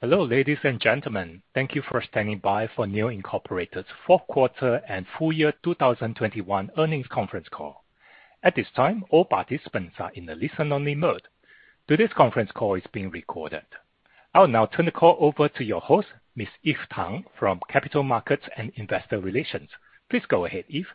Hello, ladies and gentlemen. Thank you for standing by for NIO Incorporated's fourth quarter and full year 2021 earnings conference call. At this time, all participants are in a listen-only mode. Today's conference call is being recorded. I'll now turn the call over to your host, Miss Eve Tang from Capital Markets and Investor Relations. Please go ahead, Eve.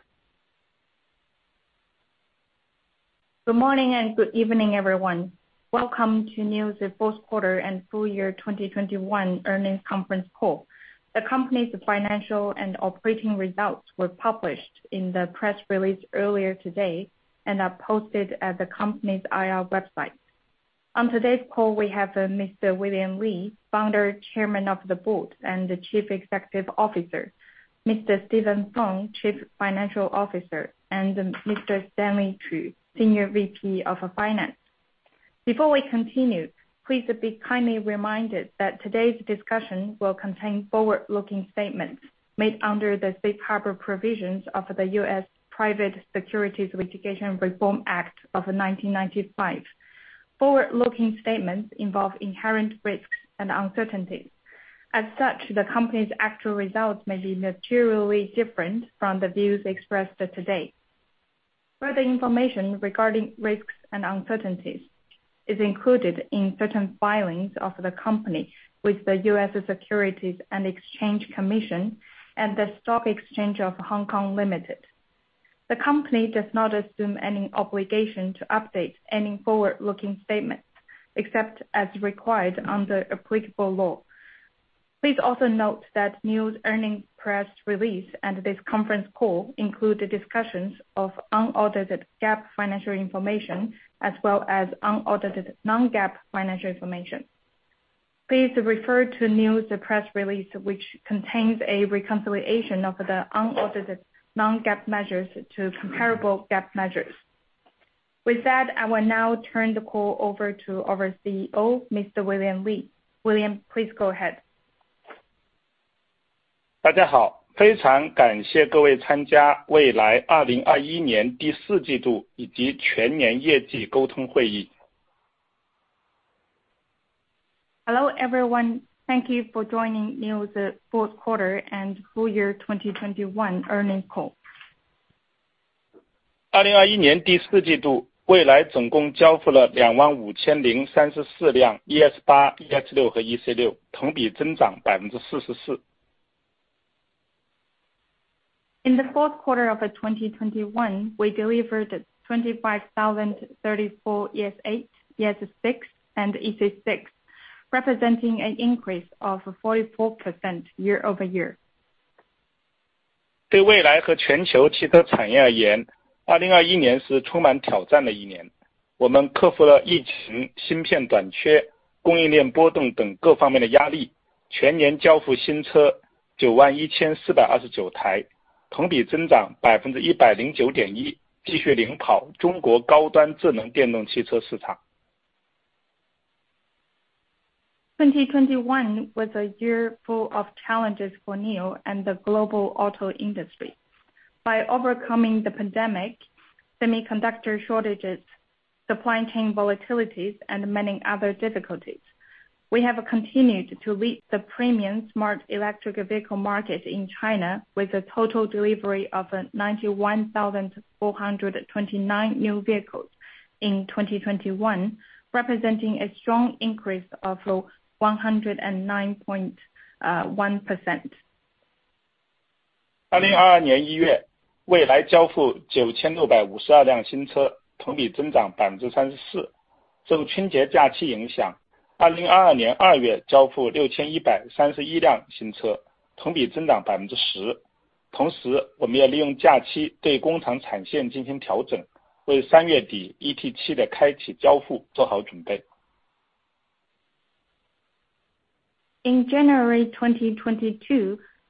Good morning and good evening, everyone. Welcome to NIO's fourth quarter and full year 2021 earnings conference call. The company's financial and operating results were published in the press release earlier today and are posted at the company's IR website. On today's call, we have Mr. William Li, Founder, Chairman of the Board, and the Chief Executive Officer, Mr. Steven Feng, Chief Financial Officer, and Mr. Stanley Qu, Senior VP of Finance. Before we continue, please be kindly reminded that today's discussion will contain forward-looking statements made under the Safe Harbor Provisions of the US Private Securities Litigation Reform Act of 1995. Forward-looking statements involve inherent risks and uncertainties. As such, the company's actual results may be materially different from the views expressed today. Further information regarding risks and uncertainties is included in certain filings of the company with the US Securities and Exchange Commission and the Stock Exchange of Hong Kong Limited. The company does not assume any obligation to update any forward-looking statements, except as required under applicable law. Please also note that NIO's earnings press release and this conference call include discussions of unaudited GAAP financial information, as well as unaudited non-GAAP financial information. Please refer to NIO's press release, which contains a reconciliation of the unaudited non-GAAP measures to comparable GAAP measures. With that, I will now turn the call over to our CEO, Mr. William Li. William, please go ahead. Hello, everyone. Thank you for joining NIO's fourth quarter and full year 2021 earnings call. In the fourth quarter of 2021, we delivered 25,034 ES8, ES6, and EC6, representing an increase of 44% year-over-year. 2021 was a year full of challenges for NIO and the global auto industry. By overcoming the pandemic, semiconductor shortages, supply chain volatilities, and many other difficulties, we have continued to lead the premium smart electric vehicle market in China with a total delivery of 91,429 NIO vehicles in 2021, representing a strong increase of 109.1%. In January 2022,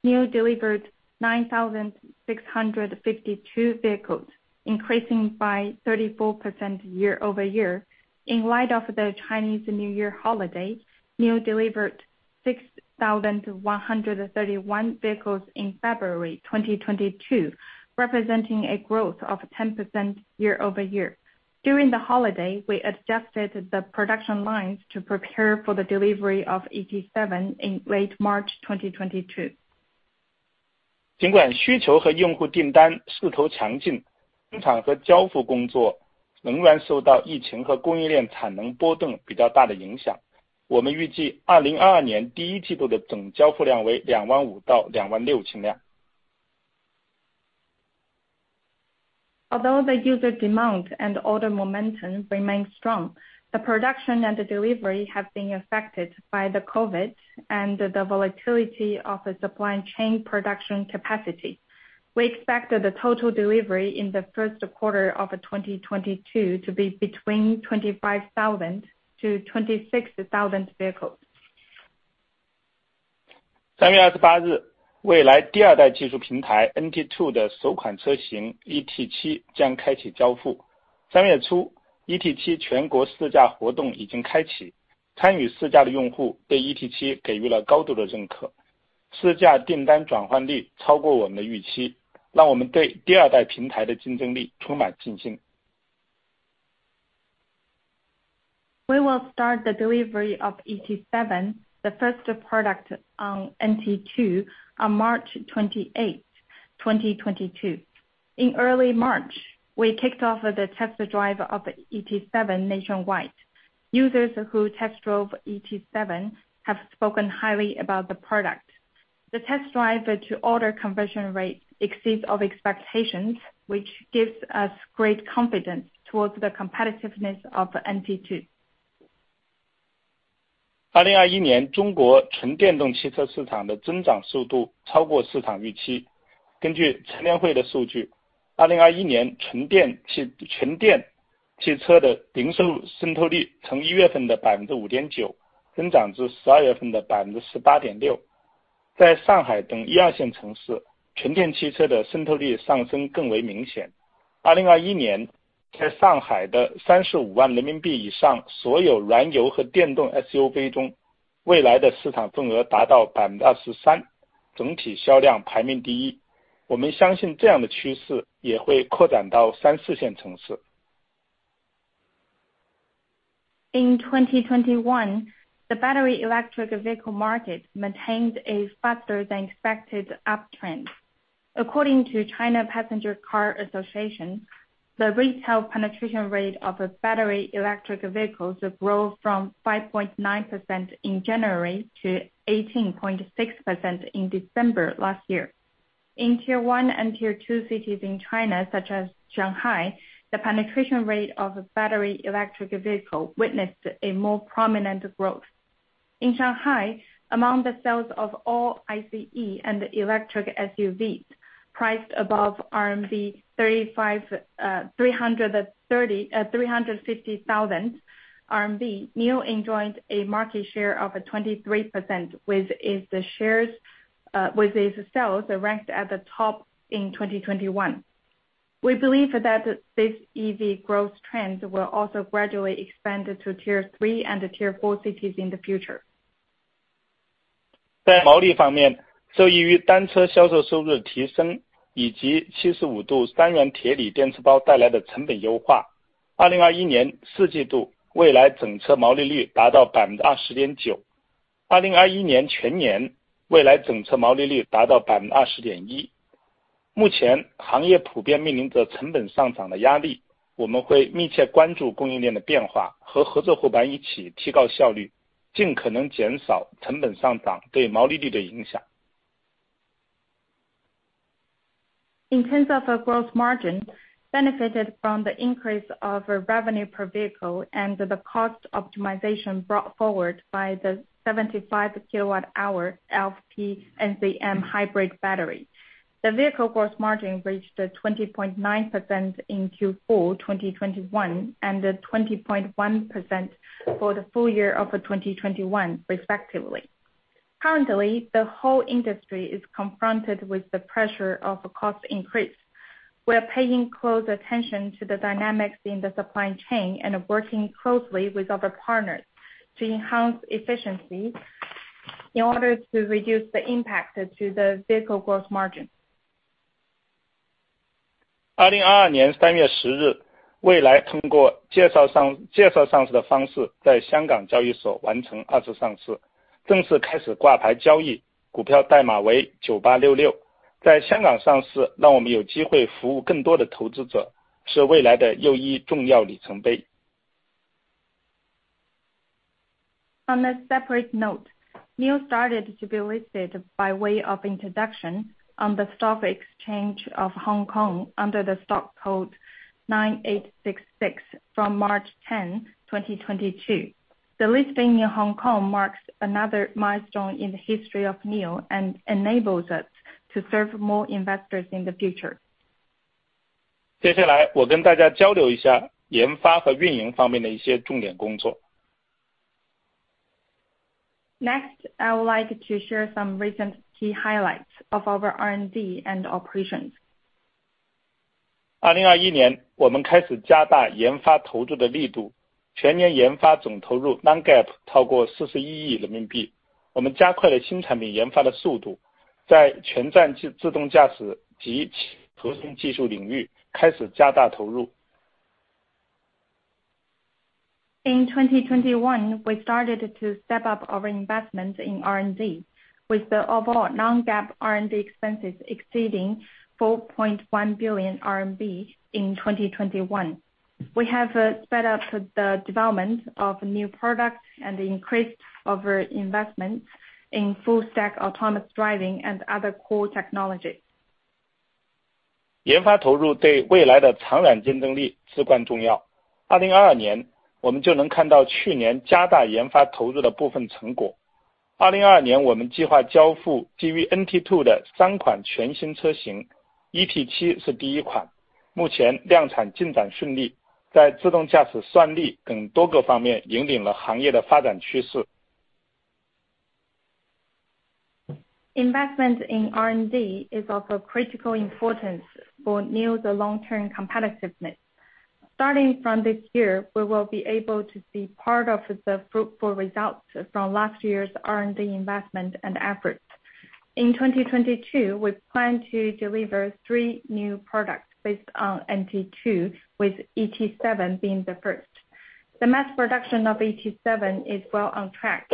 NIO delivered 9,652 vehicles, increasing by 34% year-over-year. In light of the Chinese New Year holiday, NIO delivered 6,131 vehicles in February 2022, representing a growth of 10% year-over-year. During the holiday, we adjusted the production lines to prepare for the delivery of ET7 in late March 2022. Although the user demand and order momentum remains strong, the production and the delivery have been affected by the COVID and the volatility of the supply chain production capacity. We expect the total delivery in the first quarter of 2022 to be between 25,000-26,000 vehicles. 试驾订单转换率超过我们的预期，让我们对第二代平台的竞争力充满信心。We will start the delivery of ET7, the first product on NT2, on March 28th, 2022. In early March, we kicked off the test drive of ET7 nationwide. Users who test drove ET7 have spoken highly about the product. The test drive to order conversion rate exceeds expectations, which gives us great confidence toward the competitiveness of NT2. 2021年，中国纯电动汽车市场的增长速度超过市场预期。根据乘联会的数据，2021年纯电汽车的零售渗透率从1月份的5.9%增长至12月份的18.6%。在上海等一二线城市，纯电汽车的渗透率上升更为明显。2021年在上海的35万人民币以上，所有燃油和电动SUV中，蔚来的市场份额达到23%，整体销量排名第一。我们相信这样的趋势也会扩展到三四线城市。In 2021, the battery electric vehicle market maintains a faster than expected uptrend. According to China Passenger Car Association, the retail penetration rate of a battery electric vehicles grow from 5.9% in January to 18.6% in December last year. In tier one and tier two cities in China, such as Shanghai, the penetration rate of battery electric vehicle witnessed a more prominent growth. In Shanghai, among the sales of all ICE and electric SUVs priced above 350,000 RMB, NIO enjoyed a market share of 23%, with its sales ranked at the top in 2021. We believe that this EV growth trend will also gradually expand to tier three and tier four cities in the future. In terms of gross margin, benefited from the increase of revenue per vehicle and the cost optimization brought forward by the 75 kWh LFP and NCM hybrid battery. The vehicle gross margin reached a 20.9% in Q4 2021, and a 20.1% for the full year of 2021 respectively. Currently, the whole industry is confronted with the pressure of cost increase. We are paying close attention to the dynamics in the supply chain and working closely with other partners to enhance efficiency in order to reduce the impact to the vehicle gross margin. 2022年3月10日，蔚来通过介绍上市的方式，在香港交易所完成二次上市，正式开始挂牌交易，股票代码为9866。在香港上市让我们有机会服务更多的投资者，是蔚来的又一重要里程碑。On a separate note, NIO started to be listed by way of introduction on the Stock Exchange of Hong Kong under the stock code 9866 from March 10, 2022. The listing in Hong Kong marks another milestone in the history of NIO and enables us to serve more investors in the future. 接下来我跟大家交流一下研发和运营方面的一些重点工作。Next, I would like to share some recent key highlights of our R&D and operations. 2021年，我们开始加大研发投资的力度，全年研发总投入non-GAAP超过41亿人民币。我们加快了新产品研发的速度，在全栈自动驾驶及车机技术领域开始加大投入。In 2021, we started to step up our investment in R&D with the overall non-GAAP R&D expenses exceeding CNY 4.1 billion in 2021. We have sped up the development of new products and increased our investment in full stack, autonomous driving and other core technologies. 研发投入对蔚来的长远竞争力至关重要。2022年我们就能看到去年加大研发投资的部分成果。2022年我们计划交付基于NT2的三款全新车型，ET7是第一款，目前量产进展顺利，在自动驾驶算力等多个方面引领了行业的发展趋势。Investment in R&D is of critical importance for NIO's long-term competitiveness. Starting from this year, we will be able to see part of the fruitful results from last year's R&D investment and efforts. In 2022, we plan to deliver three new products based on NT2 with ET7 being the first. The mass production of ET7 is well on track.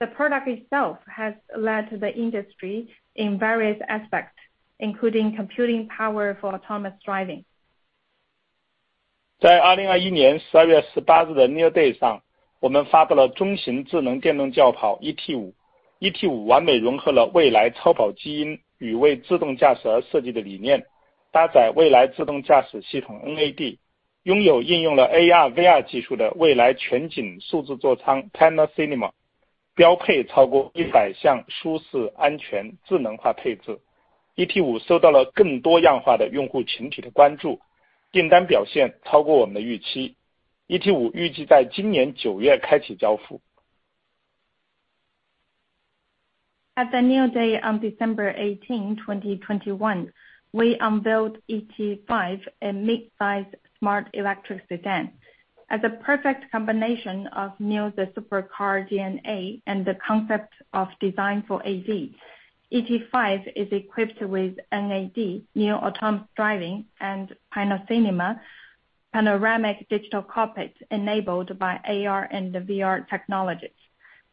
The product itself has led the industry in various aspects, including computing power for autonomous driving. At the NIO Day on December 18, 2021, we unveiled ET5, a mid-sized smart electric sedan. As a perfect combination of NIO's supercar DNA and the concept of design for AV, ET5 is equipped with NAD, NIO Autonomous Driving, and NIO Cinema, panoramic digital cockpit enabled by AR and VR technologies.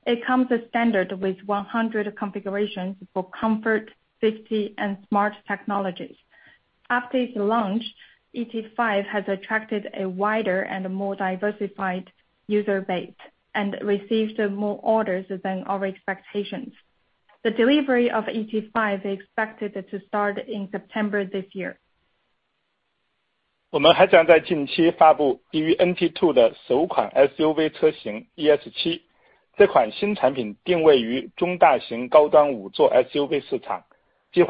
It comes as standard with 100 configurations for comfort, safety, and smart technologies. After its launch, ET5 has attracted a wider and more diversified user base, and received more orders than our expectations. The delivery of ET5 is expected to start in September this year. Soon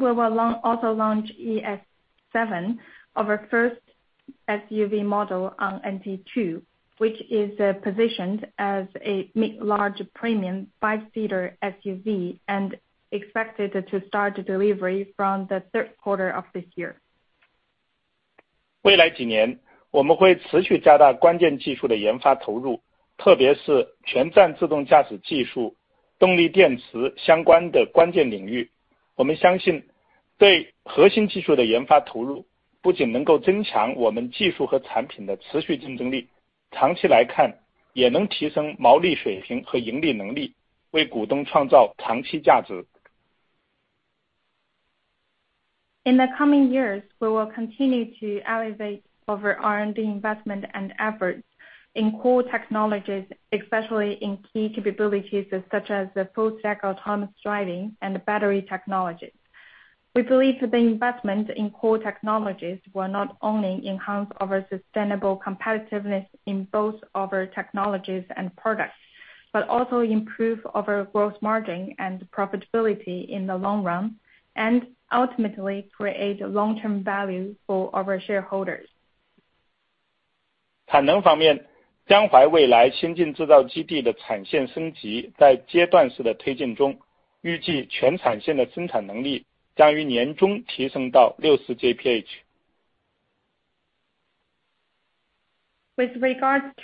we will also launch ES7, our first SUV model on NT2, which is positioned as a mid-large premium five-seater SUV and expected to start delivery from the third quarter of this year. In the coming years, we will continue to elevate our R&D investment and efforts in core technologies, especially in key capabilities such as the full stack autonomous driving and battery technologies. We believe the investment in core technologies will not only enhance our sustainable competitiveness in both our technologies and products, but also improve our gross margin and profitability in the long run, and ultimately create long-term value for our shareholders. With regards to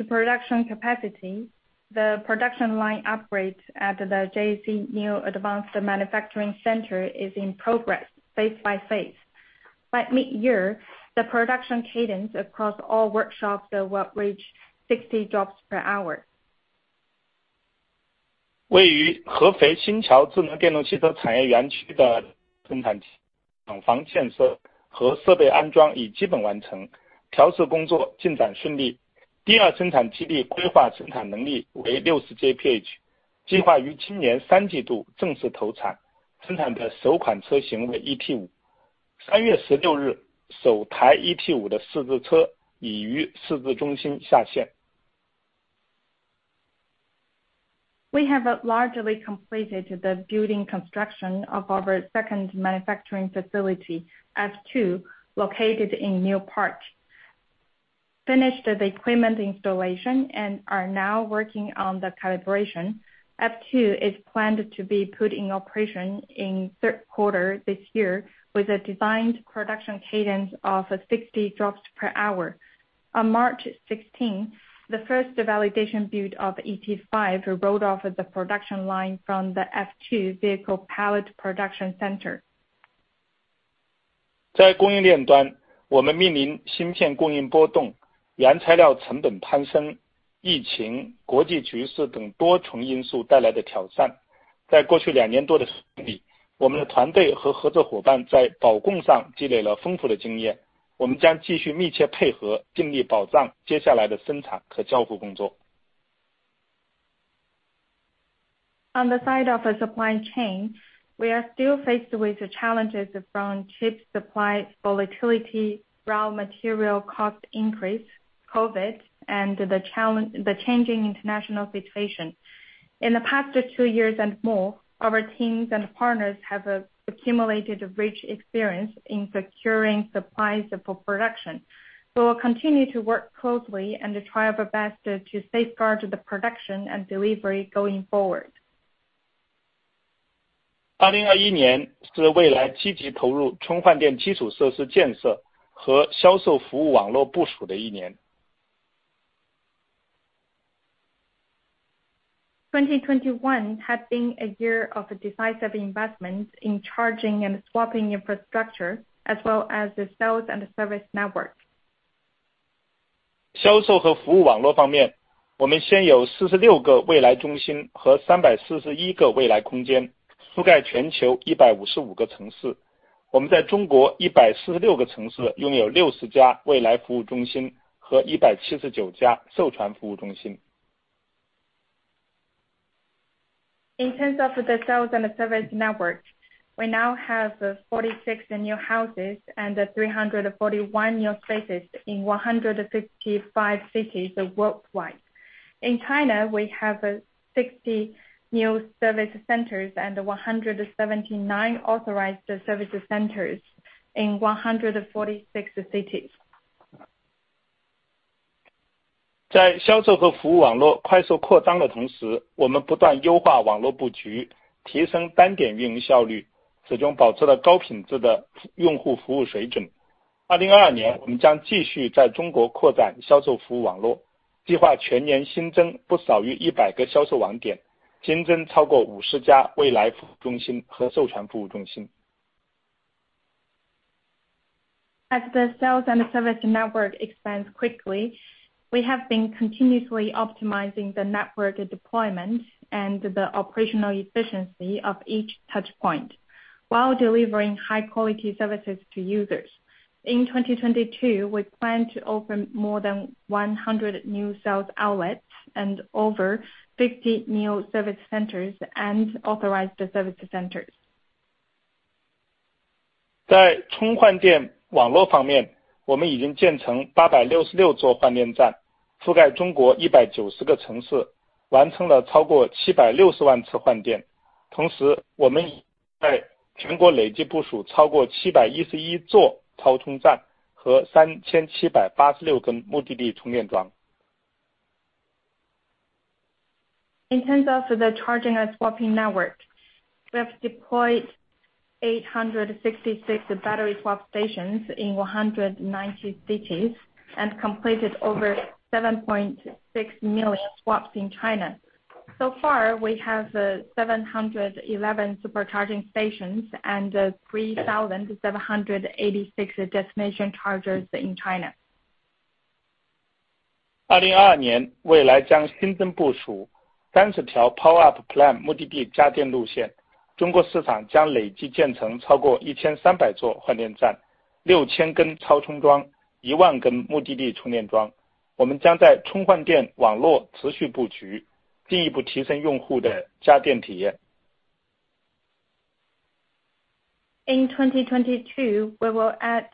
production capacity, the production line upgrades at the JAC-NIO Advanced Manufacturing Center is in progress phase by phase. By midyear, the production cadence across all workshops will reach 60 drops per hour. We have largely completed the building construction of our second manufacturing facility, F2, located in NIO Park, finished the equipment installation, and are now working on the calibration. F2 is planned to be put in operation in third quarter this year with a designed production cadence of 60 drops per hour. On March 16, the first validation build of ET5 rolled off of the production line from the F2 vehicle pilot production center. On the side of the supply chain, we are still faced with the challenges from chip supply volatility, raw material cost increase, COVID, and the changing international situation. In the past two years and more, our teams and partners have accumulated a rich experience in securing supplies for production. We will continue to work closely and to try our best to safeguard the production and delivery going forward. 2021年是蔚来积极投入充换电基础设施建设和销售服务网络部署的一年。2021 has been a year of decisive investments in charging and swapping infrastructure as well as the sales and service network. 销售和服务网络方面，我们现有46个蔚来中心和341个蔚来空间，覆盖全球155个城市。我们在中国146个城市拥有60家蔚来服务中心和179家授权服务中心。In terms of the sales and service network, we now have 46 NIO Houses and 341 NIO Spaces in 155 cities worldwide. In China, we have 60 NIO Service Centers and 179 authorized service centers in 146 cities. 在销售和服务网络快速扩张的同时，我们不断优化网络布局，提升单点运营效率，始终保持了高品质的用户服务水准。2022年，我们将继续在中国扩展销售服务网络，计划全年新增不少于一百个销售网点，新增超过五十家蔚来服务中心和授权服务中心。As the sales and service network expands quickly, we have been continuously optimizing the network deployment and the operational efficiency of each touch point while delivering high quality services to users. In 2022, we plan to open more than 100 new sales outlets and over 50 NIO Service Centers and authorized service centers. 在充换电网络方面，我们已经建成866座换电站，覆盖中国190个城市，完成了超过760万次换电。同时，我们也在全国累计部署超过711座超充站和3,786根目的地充电桩。In terms of the charging and swapping network, we have deployed 866 battery swap stations in 190 cities and completed over 7.6 million swaps in China. So far, we have 711 supercharging stations and 3,786 destination chargers in China. 2022年，蔚来将新增部署三十条Power Up Plan目的地加电路线，中国市场将累计建成超过1,300座换电站、6,000根超充桩、10,000根目的地充电桩。我们将在充换电网络持续布局，进一步提升用户的加电体验。In 2022, we will add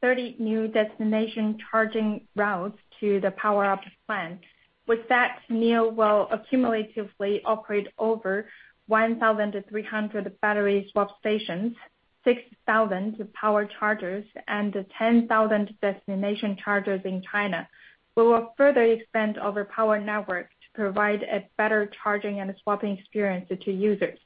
30 new destination charging routes to the Power Up Plan. With that, NIO will accumulatively operate over 1,300 battery swap stations, 6,000 power chargers and 10,000 destination chargers in China. We will further expand our power network to provide a better charging and swapping experience to users.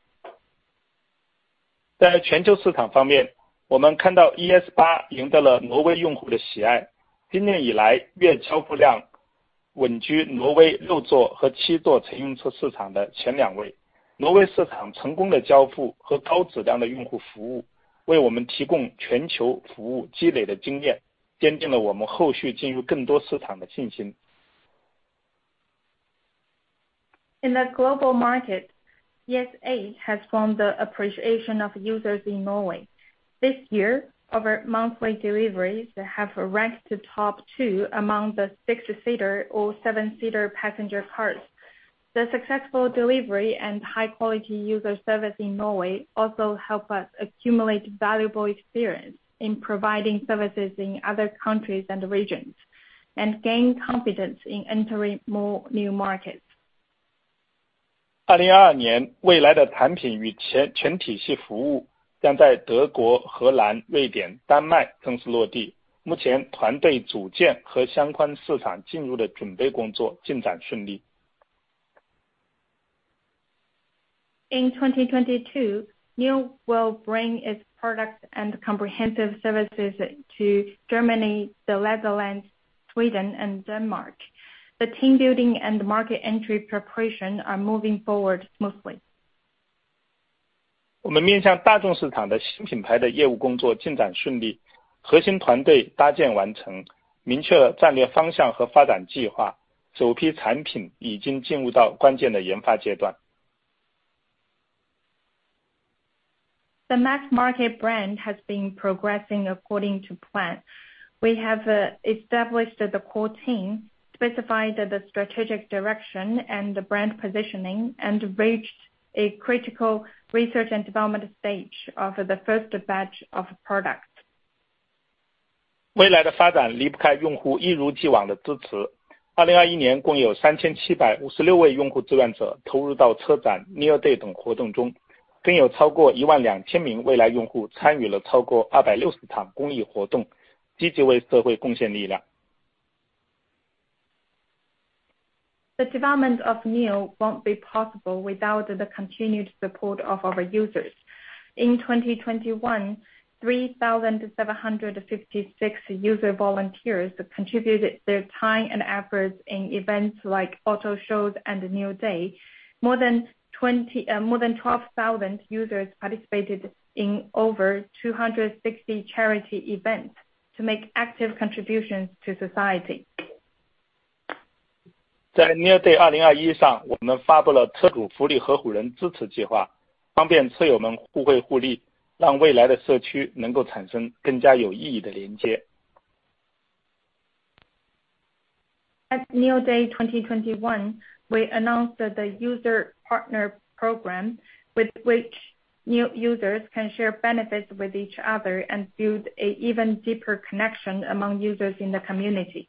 在全球市场方面，我们看到ES8赢得了挪威用户的喜爱，今年以来月交付量稳居挪威六座和七座乘用车市场的前两位。挪威市场成功的交付和高质量的用户服务，为我们提供全球服务积累的经验，坚定了我们后续进入更多市场的信心。In the global market, ES8 has won the appreciation of users in Norway. This year, our monthly deliveries have ranked top two among the six-seater or seven-seater passenger cars. The successful delivery and high quality user service in Norway also help us accumulate valuable experience in providing services in other countries and regions, and gain confidence in entering more new markets. 2022年，蔚来的产品与全体系服务将在德国、荷兰、瑞典、丹麦正式落地。目前团队组建和相关市场进入的准备工作进展顺利。In 2022, NIO will bring its products and comprehensive services to Germany, the Netherlands, Sweden and Denmark. The team building and market entry preparation are moving forward smoothly. 我们面向大众市场的新品牌的业务工作进展顺利，核心团队搭建完成，明确了战略方向和发展计划，首批产品已经进入到关键的研发阶段。The mass market brand has been progressing according to plan. We have established the core team, specified the strategic direction and the brand positioning, and reached a critical research and development stage of the first batch of products. 蔚来的发展离不开用户一如既往的支持。2021年，共有3,756位用户志愿者投入到车展、NIO Day等活动中，更有超过12,000名蔚来用户参与了超过260场公益活动，积极为社会贡献力量。The development of NIO won't be possible without the continued support of our users. In 2021, 3,756 user volunteers contributed their time and efforts in events like auto shows and the NIO Day. More than 20, more than 12,000 users participated in over 260 charity events to make active contributions to society. At NIO Day 2021, we announced that the user partner program with which NIO users can share benefits with each other and build an even deeper connection among users in the community.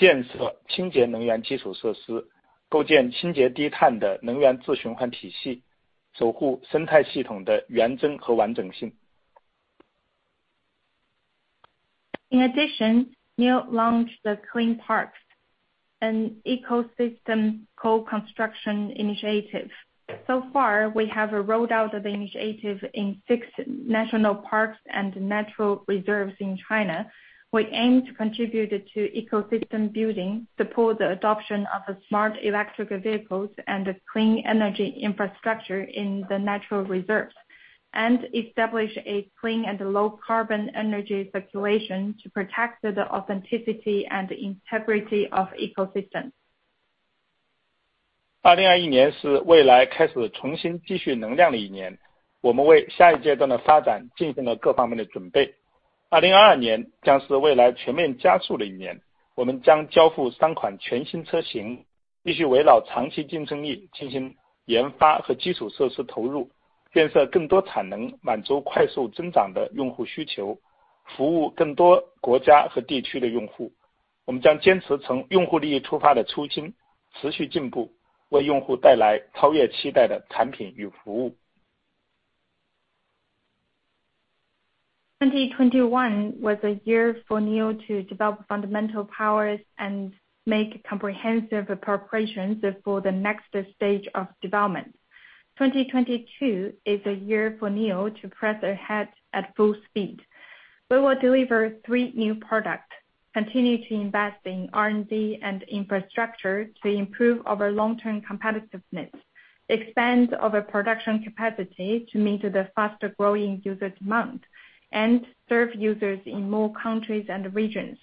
In addition, NIO launched the Clean Parks, an ecosystem co-construction initiative. So far, we have rolled out the initiative in six national parks and natural reserves in China. We aim to contribute to ecosystem building, support the adoption of smart electrical vehicles and the clean energy infrastructure in the natural reserves, and establish a clean and low carbon energy circulation to protect the authenticity and integrity of ecosystems. 2021 was a year for NIO to develop fundamental powers and make comprehensive preparations for the next stage of development. 2022 is a year for NIO to press ahead at full speed. We will deliver three new products, continue to invest in R&D and infrastructure to improve our long term competitiveness, expand our production capacity to meet the faster growing user demand, and serve users in more countries and regions.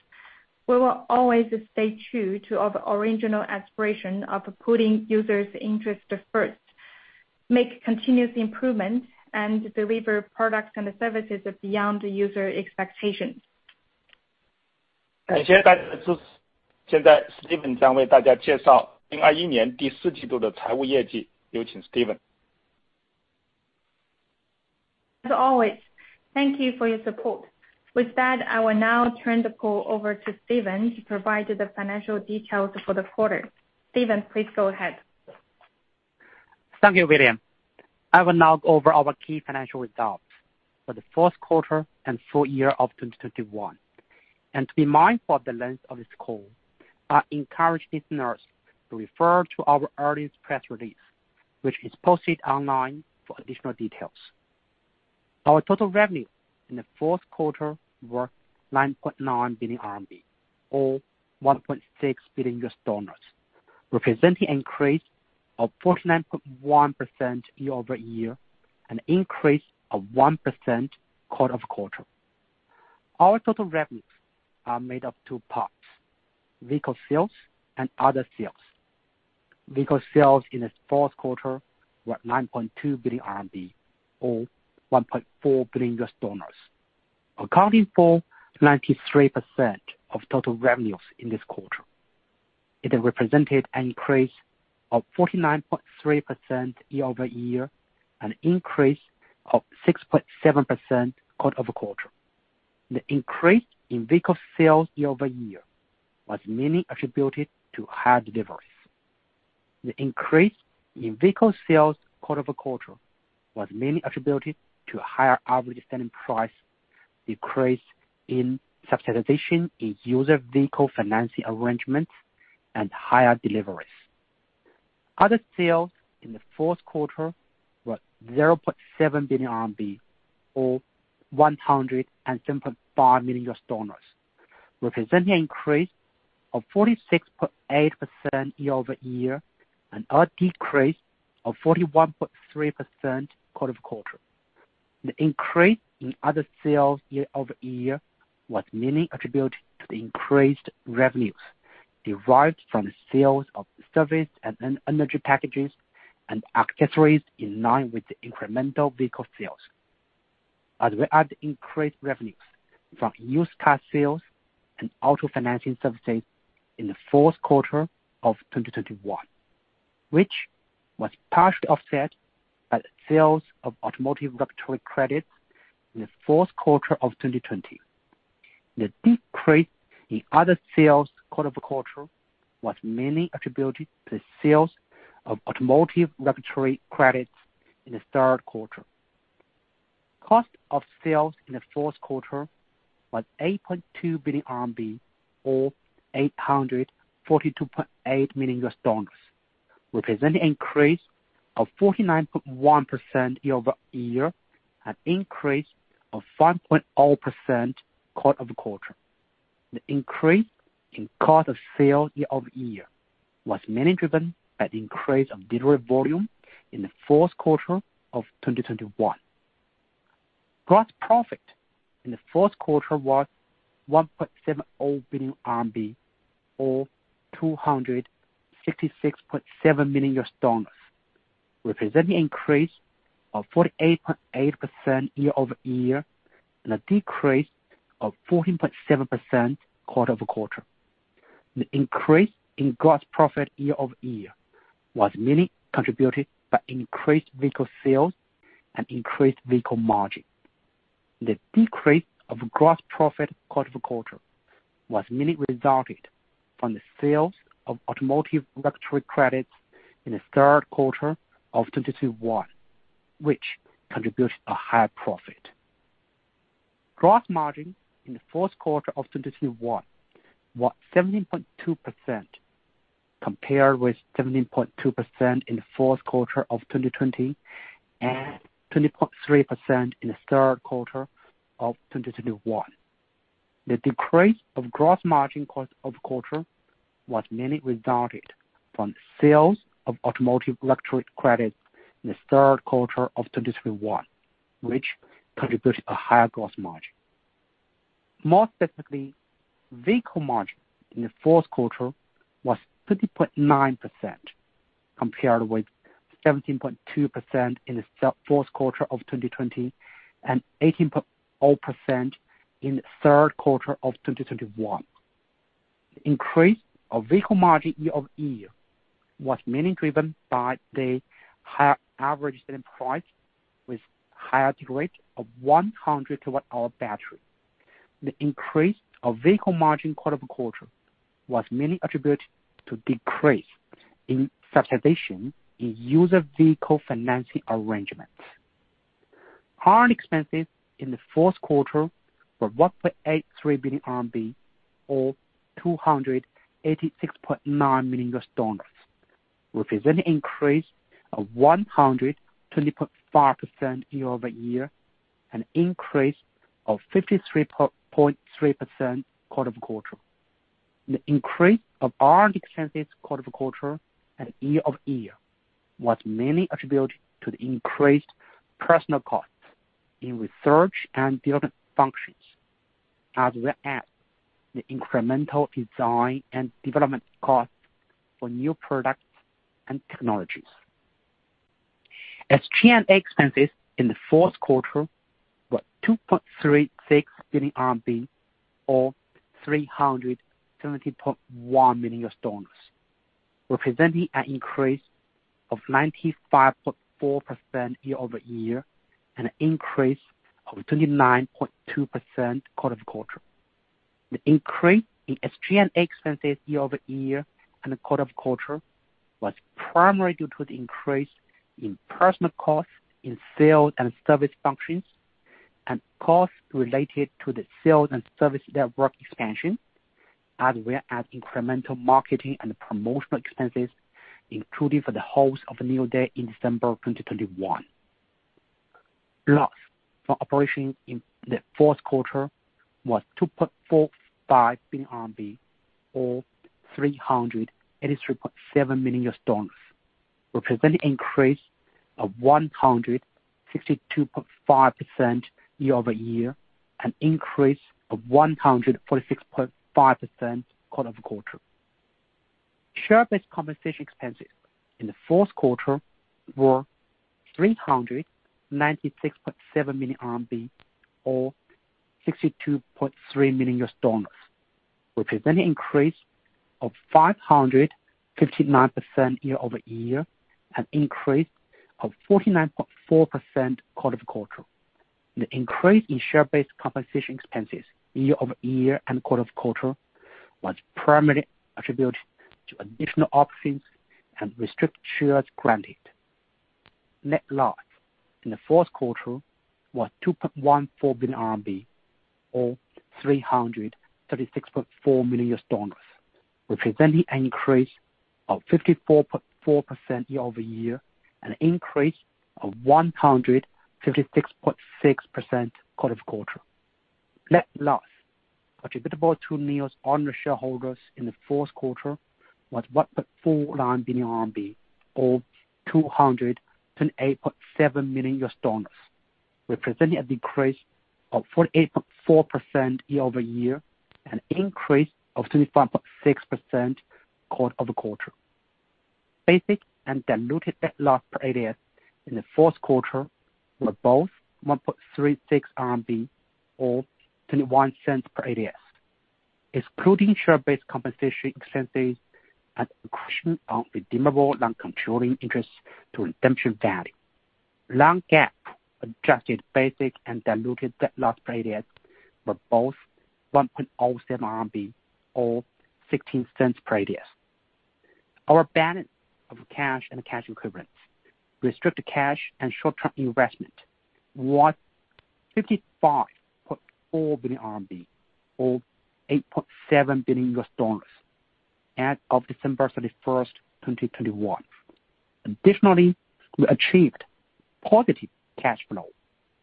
We will always stay true to our original aspiration of putting users' interests first, make continuous improvements, and deliver products and services beyond the users' expectations. As always, thank you for your support. With that, I will now turn the call over to Steven to provide the financial details for the quarter. Steven, please go ahead. Thank you, William. I will now go over our key financial results for the fourth quarter and full year of 2021. To be mindful of the length of this call, I encourage listeners to refer to our earlier press release, which is posted online for additional details. Our total revenue in the fourth quarter were 9.9 billion RMB, or $1.6 billion, representing increase of 49.1% year-over-year, an increase of 1% quarter-over-quarter. Our total revenues are made up two parts, vehicle sales and other sales. Vehicle sales in the fourth quarter were 9.2 billion RMB, or $1.4 billion, accounting for 93% of total revenues in this quarter. It represented an increase of 49.3% year-over-year, an increase of 6.7% quarter-over-quarter. The increase in vehicle sales year-over-year was mainly attributed to high deliveries. The increase in vehicle sales quarter-over-quarter was mainly attributed to higher average selling price, increase in subsidization in user vehicle financing arrangements, and higher deliveries. Other sales in the fourth quarter were 0.7 billion RMB or $107.5 million, representing an increase of 46.8% year-over-year and a decrease of 41.3% quarter-over-quarter. The increase in other sales year-over-year was mainly attributed to the increased revenues derived from sales of service and energy packages and accessories in line with the incremental vehicle sales, as well as increased revenues from used car sales and auto financing services in the fourth quarter of 2021. Which was partially offset by the sales of automotive regulatory credits in the fourth quarter of 2020. The decrease in other sales quarter-over-quarter was mainly attributed to the sales of automotive regulatory credits in the third quarter. Cost of sales in the fourth quarter was 8.2 billion RMB or $842.8 million, representing an increase of 49.1% year-over-year, an increase of 5.0% quarter-over-quarter. The increase in cost of sales year-over-year was mainly driven by the increase of delivery volume in the fourth quarter of 2021. Gross profit in the fourth quarter was 1.70 billion RMB or $266.7 million, representing increase of 48.8% year-over-year and a decrease of 14.7% quarter-over-quarter. The increase in gross profit year-over-year was mainly contributed by increased vehicle sales and increased vehicle margin. The decrease of gross profit quarter-over-quarter was mainly resulted from the sales of automotive regulatory credits in the third quarter of 2021, which contributes a higher profit. Gross margin in the fourth quarter of 2021 was 17.2%, compared with 17.2% in the fourth quarter of 2020 and 20.3% in the third quarter of 2021. The decrease of gross margin quarter-over-quarter was mainly resulted from the sales of automotive regulatory credits in the third quarter of 2021, which contributed a higher gross margin. More specifically, vehicle margin in the fourth quarter was 30.9% compared with 17.2% in the fourth quarter of 2020 and 18.0% in the third quarter of 2021. The increase of vehicle margin year-over-year was mainly driven by the higher average selling price with higher degree of 100 kWh battery. The increase of vehicle margin quarter-over-quarter was mainly attributed to decrease in subsidization in user vehicle financing arrangements. R&D expenses in the fourth quarter were 1.83 billion RMB or $286.9 million, representing increase of 120.5% year-over-year, an increase of 53.3% quarter-over-quarter. The increase of R&D expenses quarter-over-quarter and year-over-year was mainly attributed to the increased personal costs in research and development functions, as well as the incremental design and development costs for new products and technologies. SG&A expenses in the fourth quarter were 2.36 billion RMB or $370.1 million, representing an increase of 95.4% year-over-year and an increase of 29.2% quarter-over-quarter. The increase in SG&A expenses year-over-year and the quarter-over-quarter was primarily due to the increase in personal costs in sales and service functions and costs related to the sales and service network expansion, as well as incremental marketing and promotional expenses, including for the host of NIO Day in December 2021. Loss for operations in the fourth quarter was 2.45 billion RMB or $383.7 million, representing increase of 162.5% year-over-year, an increase of 146.5% quarter-over-quarter. Share-based compensation expenses in the fourth quarter were 396.7 million RMB or $62.3 million, representing increase of 559% year-over-year, an increase of 49.4% quarter-over-quarter. The increase in share-based compensation expenses year-over-year and quarter-over-quarter was primarily attributed to additional options and restricted shares granted. Net loss in the fourth quarter was 2.14 billion RMB or $336.4 million, representing an increase of 54.4% year-over-year, an increase of 156.6% quarter-over-quarter. Net loss attributable to NIO's owner shareholders in the fourth quarter was 1.49 billion RMB or $228.7 million, representing a decrease of 48.4% year-over-year, an increase of 25.6% quarter-over-quarter. Basic and diluted net loss per ADS in the fourth quarter were both 1.36 RMB or $0.21 per ADS. Excluding share-based compensation expenses and accretion of redeemable non-controlling interests to redemption value, non-GAAP adjusted basic and diluted net loss per ADS were both CNY 1.07 or $0.16 per ADS. Our balance of cash and cash equivalents, restricted cash and short-term investments was 55.4 billion RMB or $8.7 billion as of December 31, 2021. Additionally, we achieved positive cash flow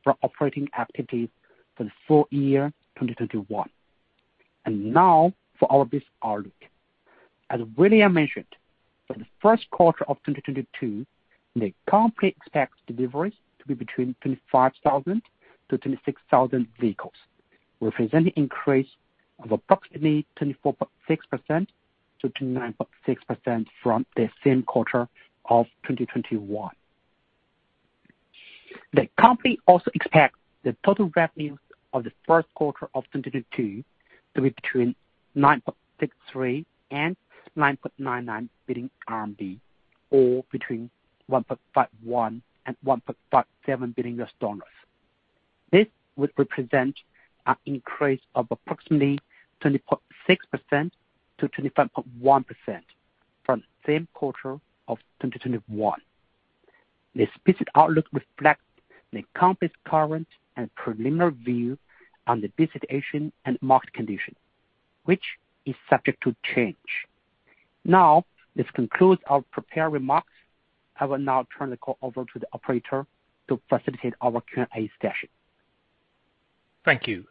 from operating activities for the full year 2021. Now for our business outlook. As William mentioned, for the first quarter of 2022, the company expects deliveries to be between 25,000-26,000 vehicles, representing increase of approximately 24.6%-29.6% from the same quarter of 2021. The company also expects the total revenues of the first quarter of 2022 to be between 9.63 billion and 9.99 billion RMB, or between $1.51 billion and $1.57 billion. This would represent an increase of approximately 20.6%-25.1% from the same quarter of 2021. This business outlook reflects the company's current and preliminary view on the business and market conditions, which is subject to change. Now, this concludes our prepared remarks. I will now turn the call over to the operator to facilitate our Q&A session. Thank you.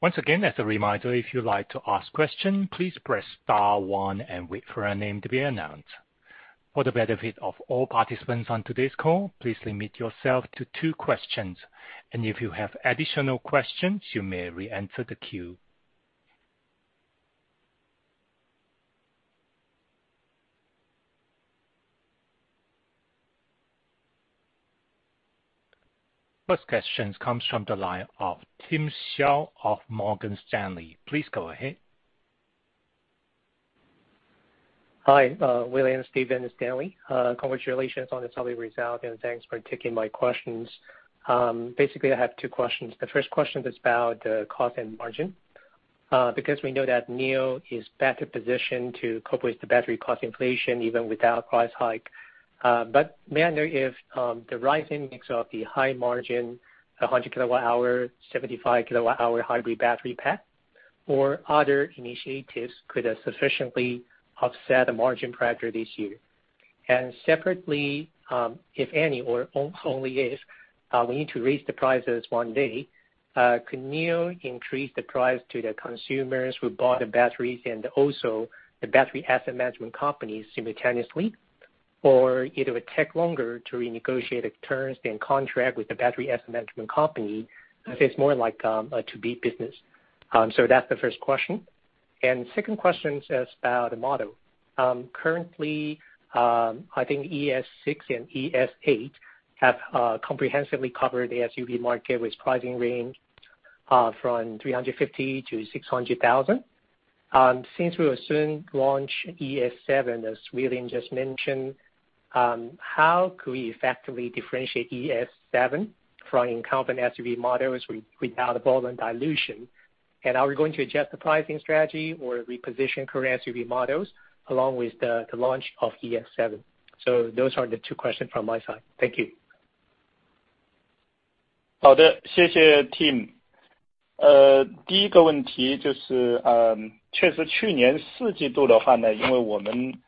Once again, as a reminder, if you'd like to ask question, please press star one and wait for your name to be announced. For the benefit of all participants on today's call, please limit yourself to two questions, and if you have additional questions, you may re-enter the queue. First question comes from the line of Tim Hsiao of Morgan Stanley. Please go ahead. Hi, William Li, Steven Feng, Stanley Qu. Congratulations on the solid result and thanks for taking my questions. Basically, I have two questions. The first question is about cost and margin, because we know that NIO is better positioned to cope with the battery cost inflation even without price hike. But may I know if the rising mix of the high margin 100 kWh, 75 kWh hybrid battery pack or other initiatives could have sufficiently offset a margin pressure this year? And separately, if and only if we need to raise the prices one day, can NIO increase the price to the consumers who bought the batteries and also the battery asset management companies simultaneously? Or it would take longer to renegotiate the terms and contract with the battery asset management company if it's more like a to-be business. That's the first question. Second question is about the model. Currently, I think ES6 and ES8 have comprehensively covered the SUV market with pricing range from 350,000-600,000. Since we will soon launch ES7, as William just mentioned, how could we effectively differentiate ES7 from incumbent SUV models without a volume dilution? Are we going to adjust the pricing strategy or reposition current SUV models along with the launch of ES7? Those are the two questions from my side. Thank you. 好的，谢谢Tim。第一个问题就是，确实去年四季度的话呢，因为我们开始使用这个75度的三元铁锂的电池，那么三元铁锂的电池的话呢，就是比原来我们用的那个70度的那个三元的电池的话呢，成本确实是要低一些，所以这个对我们四季度的毛利改善还是非常有帮助的。当然大家也知道，特别是从去年Q3、Q4开始到今年的话呢，这个电池的上游的原材料的成本，确实增长了非常的多啊。那我们当然这个整个产业链都要一起来分担这个上涨的压力。当然从目前来讲的话呢，我们还没有提价啊，目前我们还没有。当然我们今年会有一些年度的这样的一些，包括产品提升的一些计划，我们会根据这个时间会看一看，这个可能是我们到那个时候看根据这个市场的价格，原材料的价格，去看看我们的一个价格的政策，价格的策略。当前我们的产品，目前，当下我们还没有这个涨价的想法。当然这个大家也知道，我们的销量呢提升了以后，我们很多分摊的这个成本呢，也肯定是可以下降了不少。本来这个确实是可以对我们的毛利提升是一个比较大的正面的影响，但是原材料的价格也不光是电池啊，也包括大宗商品啊，这个包括铝啊，铜啊，所有这些涨价的话，对我们的毛利的增长肯定是有一些负面的作用的。这是第一个问题。Thank you, Tim.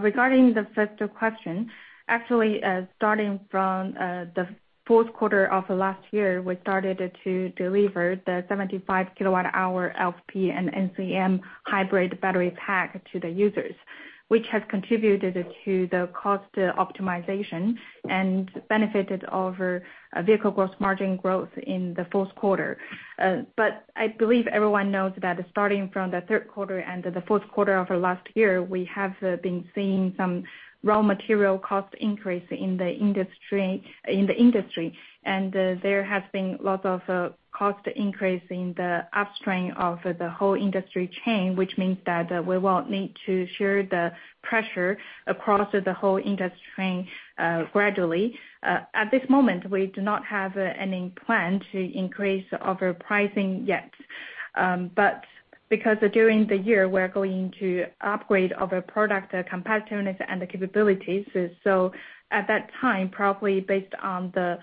Regarding the first question, actually, starting from the fourth quarter of last year, we started to deliver the 75 kWh LFP and NCM hybrid battery pack to the users, which has contributed to the cost optimization and benefited our vehicle gross margin growth in the fourth quarter. I believe everyone knows that starting from the third quarter and the fourth quarter of last year, we have been seeing some raw material cost increase in the industry. There has been lots of cost increase in the upstream of the whole industry chain, which means that we will need to share the pressure across the whole industry gradually. At this moment, we do not have any plan to increase our pricing yet. Because during the year we're going to upgrade our product competitiveness and capabilities. At that time, probably based on the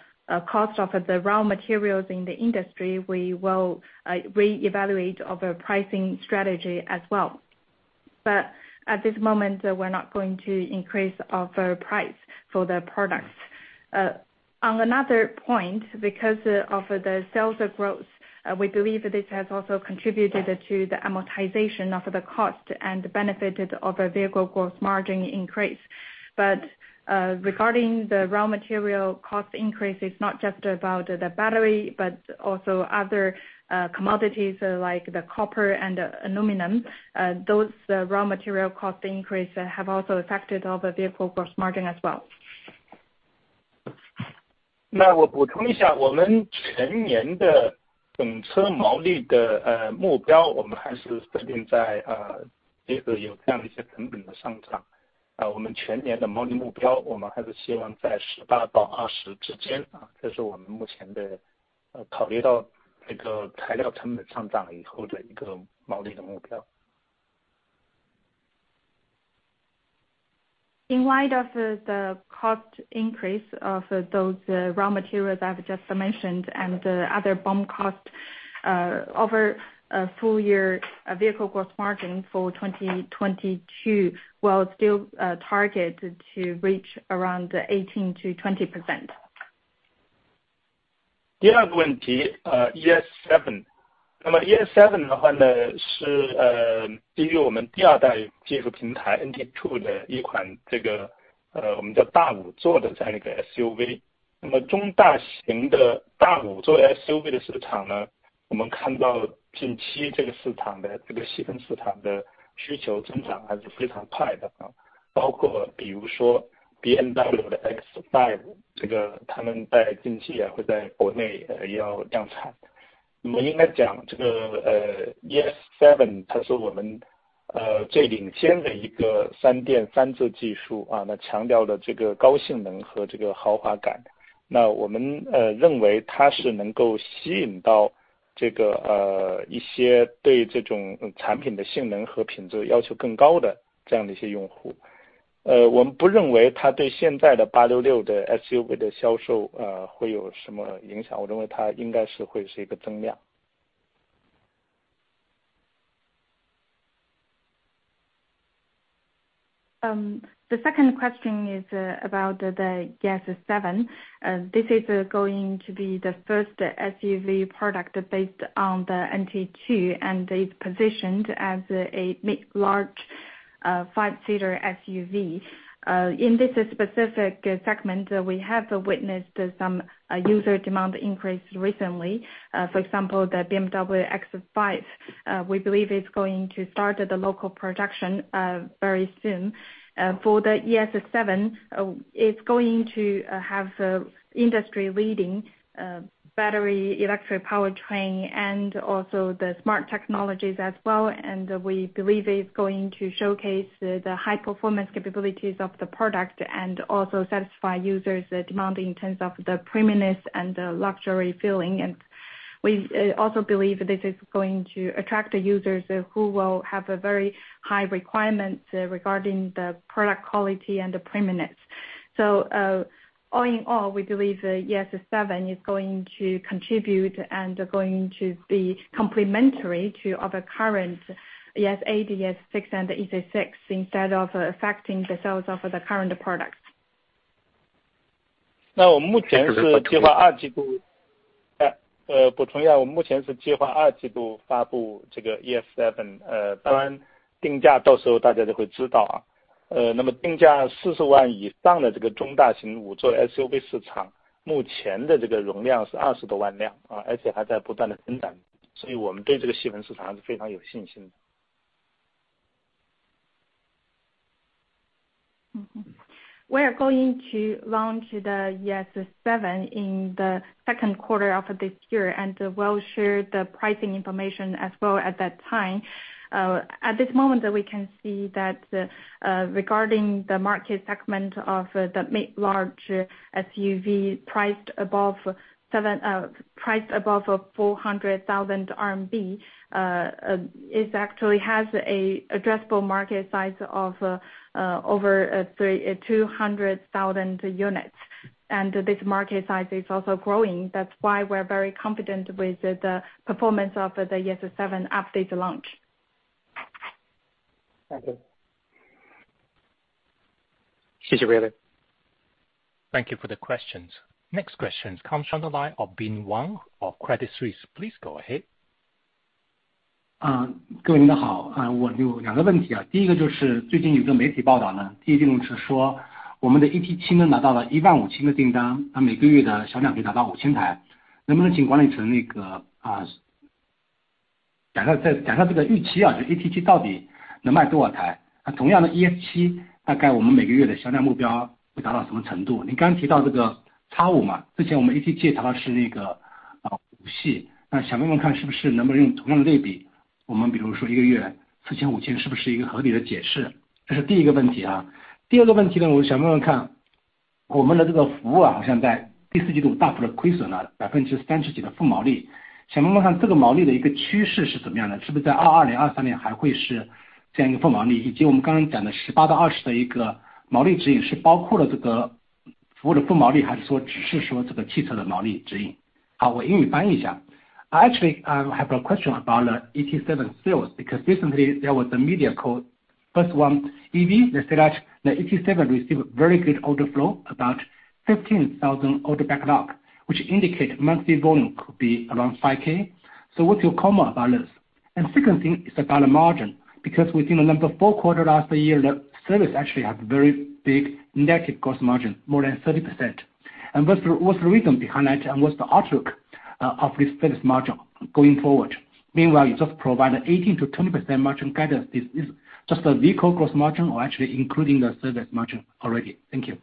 cost of the raw materials in the industry, we will reevaluate our pricing strategy as well. At this moment, we're not going to increase our price for the products. On another point, because of the sales growth, we believe this has also contributed to the amortization of the cost and benefited of a vehicle gross margin increase. Regarding the raw material cost increase, it's not just about the battery but also other commodities like the copper and aluminum. Those raw material cost increase have also affected our vehicle gross margin as well. In light of the cost increase of those raw materials I've just mentioned and the other BOM cost over a full year, vehicle gross margin for 2022 will still target to reach around The second question is about the ES7. This is going to be the first SUV product based on the NT2, and it's positioned as a mid-large five-seater SUV. In this specific segment we have witnessed some user demand increase recently. For example, the BMW X5 we believe is going to start the local production very soon. For the ES7 it's going to have the industry leading battery electric powertrain and also the smart technologies as well. We believe it's going to showcase the high performance capabilities of the product and also satisfy users demanding in terms of the premiumness and the luxury feeling. We also believe this is going to attract the users who will have a very high requirements regarding the product quality and the premiumness. All in all, we believe the ES7 is going to contribute and going to be complementary to our current ES8, ES6, and EC6 instead of affecting the sales of the current products. We are going to launch the ES7 in the second quarter of this year, and we'll share the pricing information as well at that time. At this moment we can see that, regarding the market segment of the mid-large SUV priced above 400,000 RMB, it actually has an addressable market size of over 320,000 units. This market size is also growing. That's why we're very confident with the performance of the ES7 after the launch. 谢谢。Thank you for the questions. Next question comes from the line of Bin Wang of Credit Suisse. Please go ahead. 各位领导好，我有两个问题。第一个就是最近有个媒体报道，第一季度是说我们的ET7拿到了15,000的订单，那每个月的销量可以达到5,000台，能不能请William Actually I have two questions. The first one is about ET7 sales, because recently there was a media report saying that the ET7 received very good order flow of about 15,000 order backlog, which indicates monthly volume could be around 5,000. So what's your comment about this? The second question is about the margin, because in Q4 last year the service actually had a very big negative gross margin of more than 30%. What's the reason behind it? What's the outlook of this service margin going forward? Meanwhile you just provide 18%-20% margin guidance. Is this just the vehicle gross margin or actually including the service margin already? Thank you.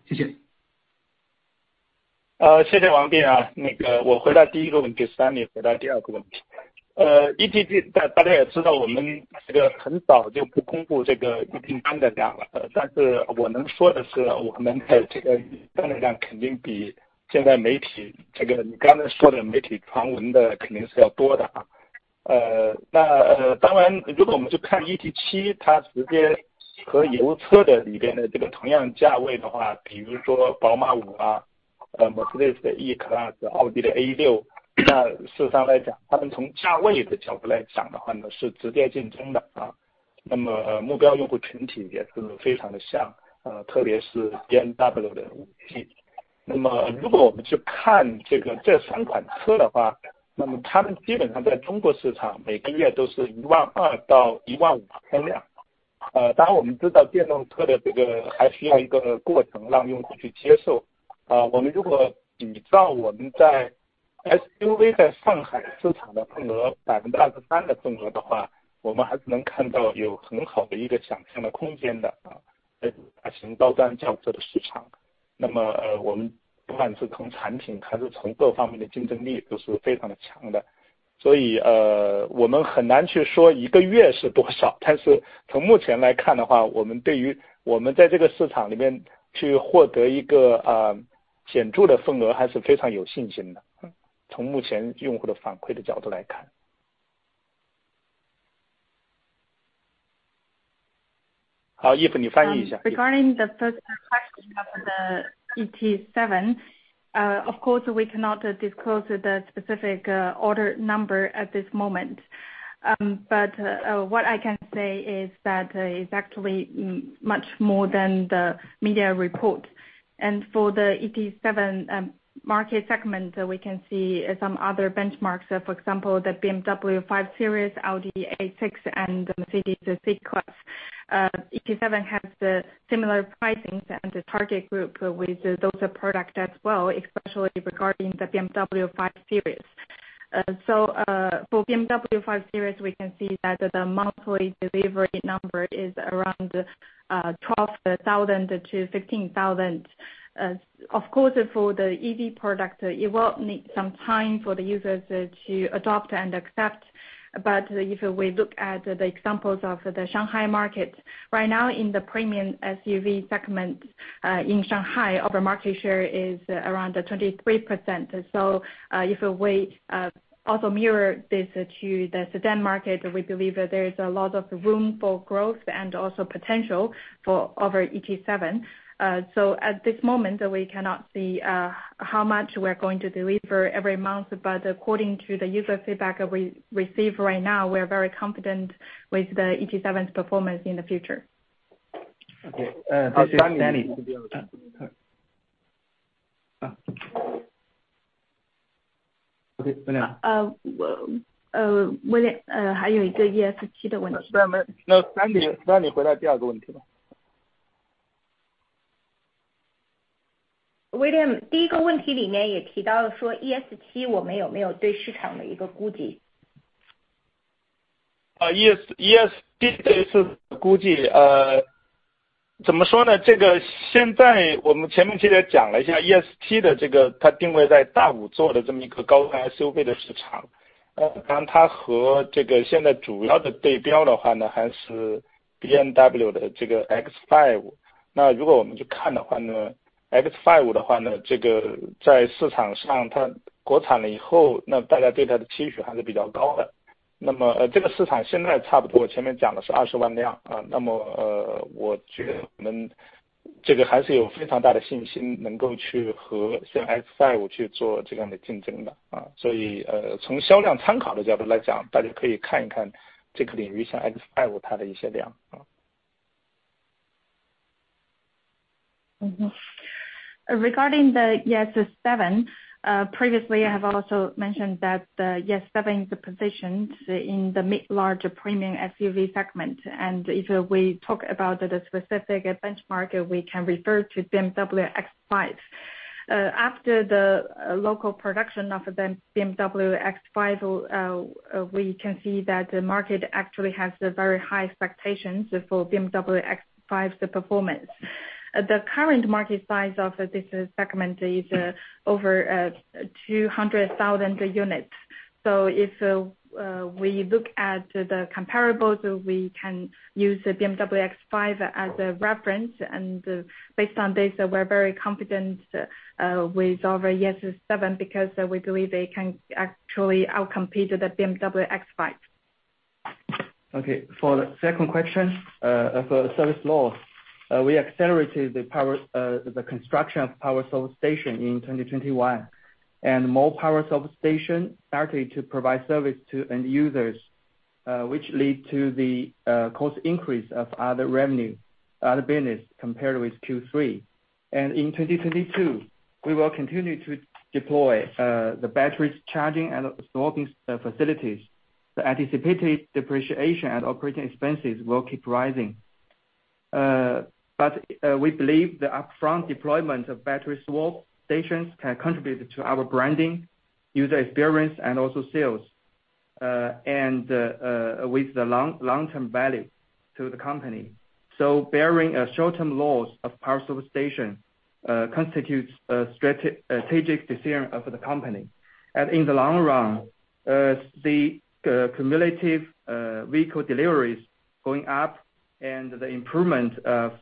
谢谢王斌，那个我回答第一个问题，Stanley回答第二个问题。ET7大家也知道，我们这个很早就不公布这个预订单的量了，但是我能说的是，我们的这个订单量肯定比现在媒体，这个你刚才说的媒体传闻的肯定是要多的。那当然如果我们就看ET7，它直接和油车的里边的这个同样价位的话，比如说宝马五，奔驰的E-Class，奥迪的A6，那事实上来讲，他们从价位的角度来讲的话呢，是直接竞争的。那么目标用户群体也是非常的像，特别是BMW的5系。那么如果我们去看这个这三款车的话，那么它们基本上在中国市场每个月都是一万二到一万五的销量。当然我们知道电动车的这个还需要一个过程让用户去接受，我们如果比照我们在SUV在上海市场的份额23%的份额的话，我们还是能看到有很好的一个想象的空间的。在大型高端轿车的市场，那么我们不管是从产品还是从各方面的竞争力都是非常的强的。所以我们很难去说一个月是多少，但是从目前来看的话，我们对于我们在这个市场里面去获得一个显著的份额还是非常有信心的。从目前用户的反馈的角度来看。好，Eve，你翻译一下。Regarding the first question of the ET7. Of course we cannot disclose the specific order number at this moment, but what I can say is that it's actually much more than the media report. For the ET7 market segment, we can see some other benchmarks, for example, the BMW 5 Series, Audi A6 and Mercedes-Benz E-Class. ET7 has the similar pricing and the target group with those product as well, especially regarding the BMW 5 Series. For BMW 5 Series, we can see that the monthly delivery number is around 12,000-15,000. Of course, for the EV product, it will need some time for the users to adopt and accept. If we look at the examples of the Shanghai market right now in the premium SUV segment in Shanghai, our market share is around 23%. If we also mirror this to the sedan market, we believe that there is a lot of room for growth and also potential for our ET7. At this moment we cannot see how much we are going to deliver every month. According to the user feedback we receive right now, we are very confident with the ET7 performance in the future. Okay, this is Stanley. Ah. Okay。William，还有一个ES7的问题。那，Stanley 回答第二个问题吧。William 第一个问题里面也提到说 ES7 我们有没有对市场的一个估计。ES7 的估计，怎么说呢，这个前面其实也讲了一下，ES7 的定位在大五座的这么一个高端 SUV 的市场，当然它和现在主要的对标的话呢，还是 BMW 的 X5，那如果我们去看的话呢，X5 Regarding the ES7, previously I have also mentioned that the ES7 is positioned in the mid-large premium SUV segment. If we talk about the specific benchmark we can refer to BMW X5. After the local production of the BMW X5, we can see that the market actually has a very high expectations for BMW X5 the performance. The current market size of this segment is over 200,000 units. If we look at the comparable, we can use the BMW X5 as a reference. Based on data, we are very confident with our ES7 because we believe they can actually out compete the BMW X5. Okay. For the second question of service loss, we accelerated the construction of power swap stations in 2021 and more power swap stations started to provide service to end users, which led to the cost increase of other revenue, other business compared with Q3. In 2022, we will continue to deploy the battery charging and swapping facilities. The anticipated depreciation and operating expenses will keep rising, but we believe the upfront deployment of battery swap stations can contribute to our branding, user experience and also sales, and the long-term value to the company. Bearing a short-term loss of power swap stations constitutes a strategic decision of the company. In the long run, the cumulative vehicle deliveries going up and the improvement of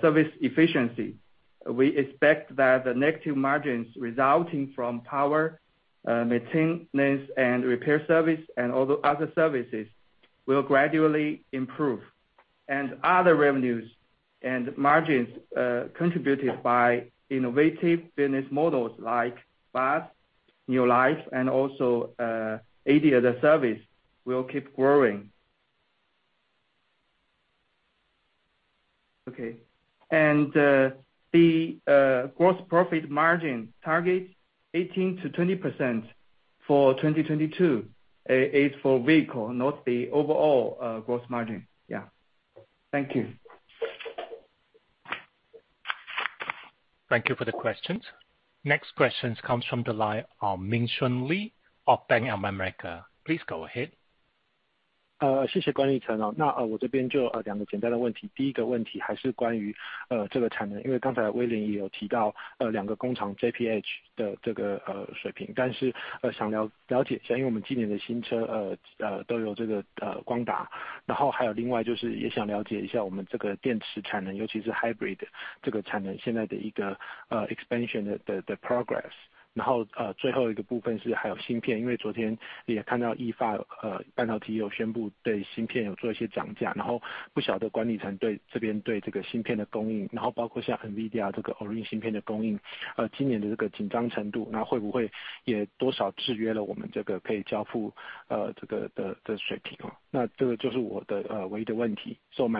service efficiency, we expect that the negative margins resulting from power maintenance and repair service and other services will gradually improve. Other revenues and margins contributed by innovative business models like BaaS, NIO Life, and also AD as a Service will keep growing. Okay. The gross profit margin targets 18%-20% for 2022 is for vehicle, not the overall gross margin. Yeah. Thank you. Thank you for the questions. Next question comes from the line of Ming-Hsun Lee of Bank of America. Please go ahead. 谢谢管理层。那我这边就两个简单的问题。第一个问题还是关于这个产能，因为刚才William也有提到两个工厂JPH的这个水平，但是想了解一下，因为我们今年的新车都有这个光达，然后还有另外就是也想了解一下我们这个电池产能，尤其是hybrid这个产能现在的一个expansion的progress。然后最后一个部分是还有芯片，因为昨天也看到NXP半导体有宣布对芯片有做一些涨价，然后不晓得管理层对这边，对这个芯片的供应，然后包括像NVIDIA这个Orin芯片的供应，今年的这个紧张程度，那会不会也多少制约了我们这个可以交付的水平。那这个就是我的唯一的问题。So my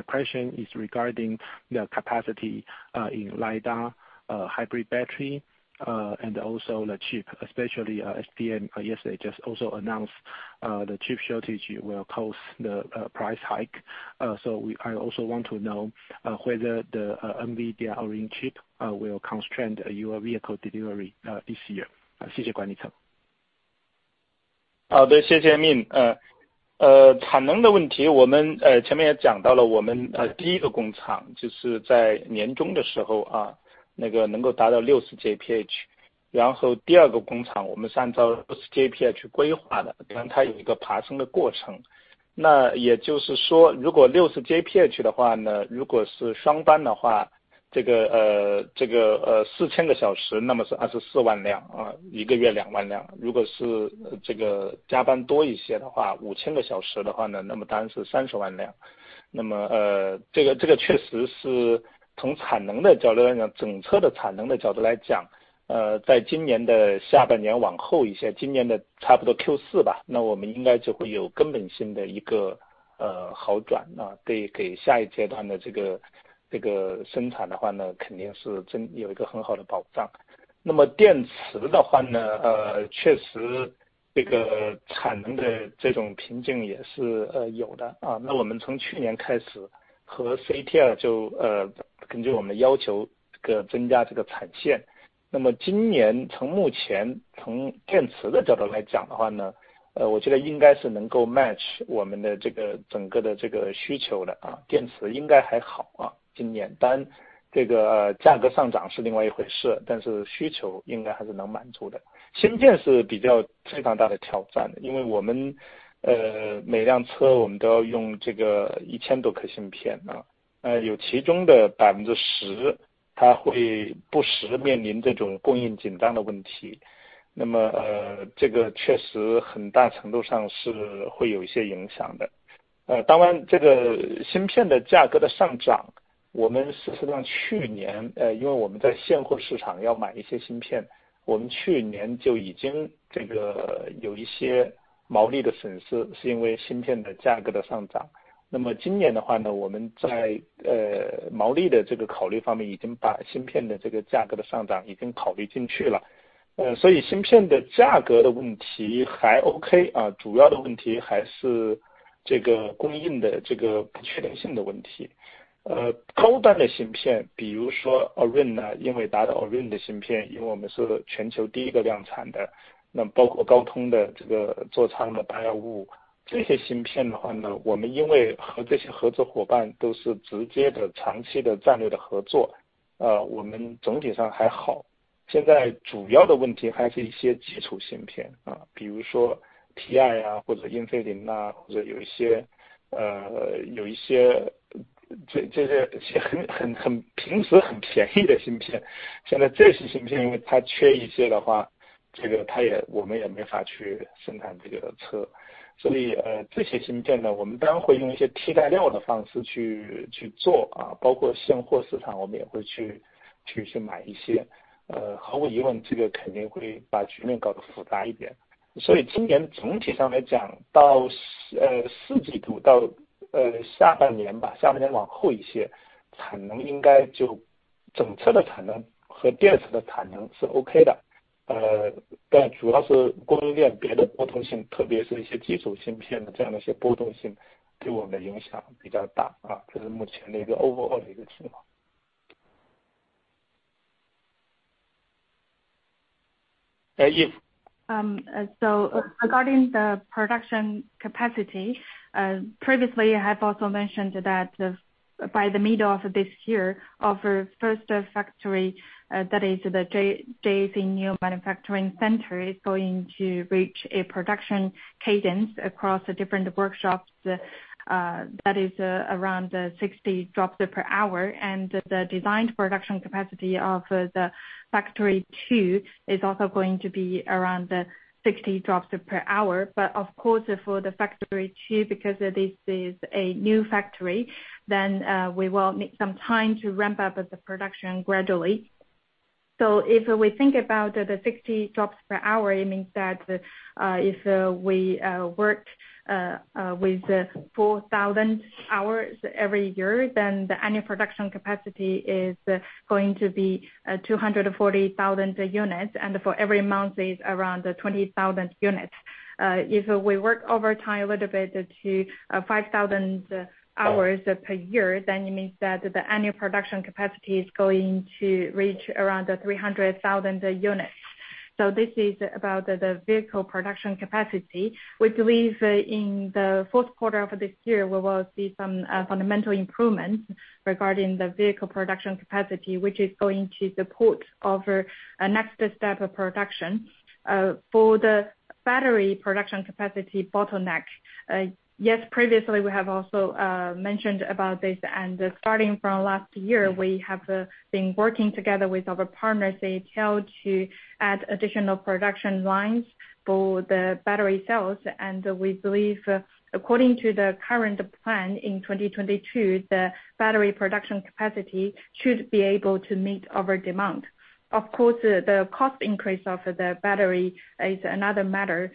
question is regarding the capacity, in lidar, hybrid battery, and also the chip, especially NXP yesterday also announced the chip shortage will cause the price hike. So I also want to know whether the NVIDIA Orin chip will constraint your vehicle delivery this year. 谢谢管理层。好的，谢谢明。产能的问题，我们前面也讲到了，我们第一个工厂就是在年终的时候，那个能够达到60 JPH，然后第二个工厂我们是按照60 JPH规划的，你看它有一个爬升的过程，那也就是说如果60 JPH的话，如果是双班的话，这个四千个小时，那么是24万辆，一个月两万辆，如果是这个加班多一些的话，五千个小时的话，那么当然是30万辆。那么这个确实是从产能的角度来讲，整车的产能的角度来讲，在今年的下半年往后一些，今年的差不多Q4吧，那我们应该就会有根本性的一个好转，那对给下一阶段的这个生产的话，肯定是真有一个很好的保障。那么电池的话，确实这个产能的这种瓶颈也是有的。那我们从去年开始和CATL就根据我们的要求，各增加这个产线。那么今年从目前从电池的角度来讲的话，我觉得应该是能够match我们的整个的这个需求的，电池应该还好，今年，但这个价格上涨是另外一回事，但是需求应该还是能满足的。芯片是比较非常大的挑战，因为我们每辆车我们都要用这个一千多颗芯片，有其中的10%它会不时面临这种供应紧张的问题，那么这个确实很大程度上是会有一些影响的。当然这个芯片的价格的上涨，我们事实上去年，因为我们在现货市场要买一些芯片，我们去年就已经有一些毛利的损失，是因为芯片的价格的上涨。那么今年的话，我们在毛利的这个考虑方面，已经把芯片的这个价格的上涨已经考虑进去了。所以芯片的价格的问题还OK，主要的问题还是这个供应的这个不确定性的问题。高端的芯片，比如说Orin，英伟达的Orin的芯片，因为我们是全球第一个量产的，那包括高通的这个座舱的8155，这些芯片的话，我们因为和这些合作伙伴都是直接的、长期的战略的合作，我们总体上还好。现在主要的问题还是一些基础芯片，比如说TI，或者英飞凌，或者有一些很便宜的芯片，现在这些芯片因为它缺一些的话，我们也没法去生产这个车。所以这些芯片，我们当然会用一些替代料的方式去做，包括现货市场，我们也会去买一些。毫无疑问，这个肯定会把局面搞得复杂一点。所以今年总体上来讲，到四季度，到下半年吧，下半年往后一些，产能应该就，整车的产能和电池的产能是OK的，但主要是供应链别的波动性，特别是一些基础芯片的这样的一些波动性，给我们的影响比较大，这是目前的一个overall的一个情况。谢谢。Regarding the production capacity, previously I have also mentioned that by the middle of this year of our first factory, that is the JAC new manufacturing center is going to reach a production cadence across the different workshops. That is around 60 drops per hour. The designed production capacity of the factory two is also going to be around 60 drops per hour. Of course for the factory two, because this is a new factory, then we will need some time to ramp up the production gradually. If we think about the 60 drops per hour, it means that if we work with 4,000 hours every year, then the annual production capacity is going to be 240,000 units, and for every month is around 20,000 units. If we work overtime a little bit to 5,000 hours per year, then it means that the annual production capacity is going to reach around 300,000 units. This is about the vehicle production capacity. We believe in the fourth quarter of this year, we will see some fundamental improvements regarding the vehicle production capacity, which is going to support of a next step of production. For the battery production capacity bottleneck. Yes, previously we have also mentioned about this, and starting from last year, we have been working together with our partners CATL to add additional production lines for the battery cells. We believe according to the current plan in 2022, the battery production capacity should be able to meet our demand. Of course, the cost increase of the battery is another matter.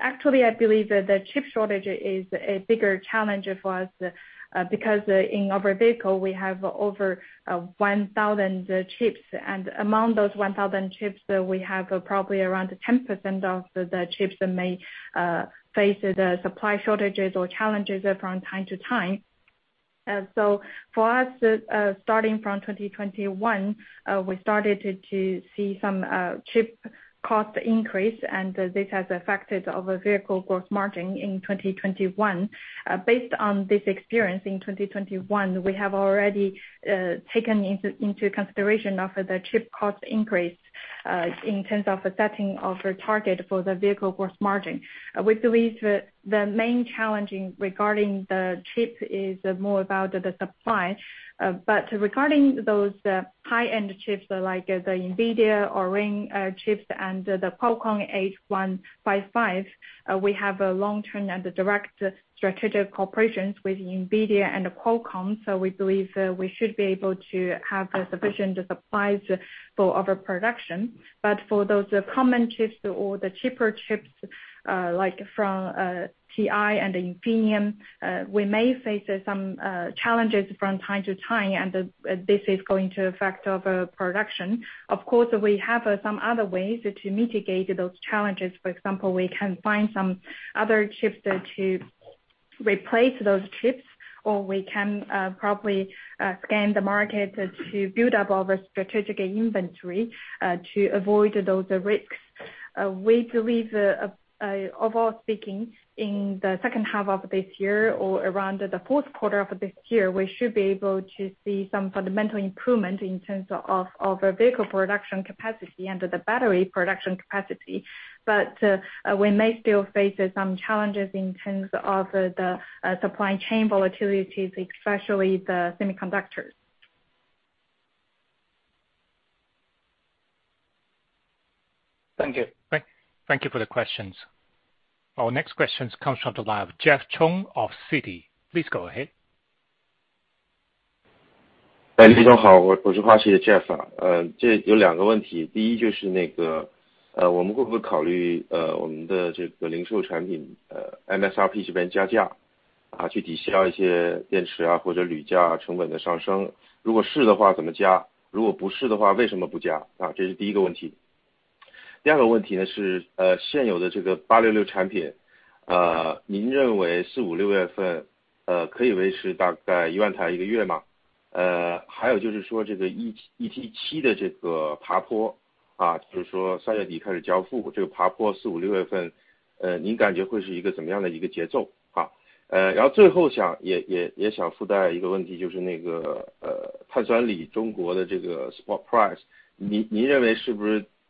Actually, I believe that the chip shortage is a bigger challenge for us because in our vehicle we have over 1,000 chips. Among those 1,000 chips, we have probably around 10% of the chips may face the supply shortages or challenges from time to time. For us, starting from 2021, we started to see some chip cost increase and this has affected our vehicle gross margin in 2021. Based on this experience in 2021, we have already taken into consideration of the chip cost increase in terms of setting of a target for the vehicle gross margin. We believe the main challenge regarding the chip is more about the supply. Regarding those high-end chips like the NVIDIA Orin chips and the Qualcomm 8155, we have a long term and direct strategic cooperation with NVIDIA and Qualcomm. We believe we should be able to have sufficient supplies for our production. For those common chips or the cheaper chips like from TI and Infineon, we may face some challenges from time to time, and this is going to affect our production. Of course, we have some other ways to mitigate those challenges. For example, we can find some other chips to replace those chips, or we can probably scan the market to build up our strategic inventory to avoid those risks. We believe, overall speaking, in the second half of this year or around the fourth quarter of this year, we should be able to see some fundamental improvement in terms of our vehicle production capacity and the battery production capacity. We may still face some challenges in terms of the supply chain volatility, especially the semiconductors. Thank you. Thank you for the questions. Our next question comes from the line of Jeff Chung of Citi. Please go ahead.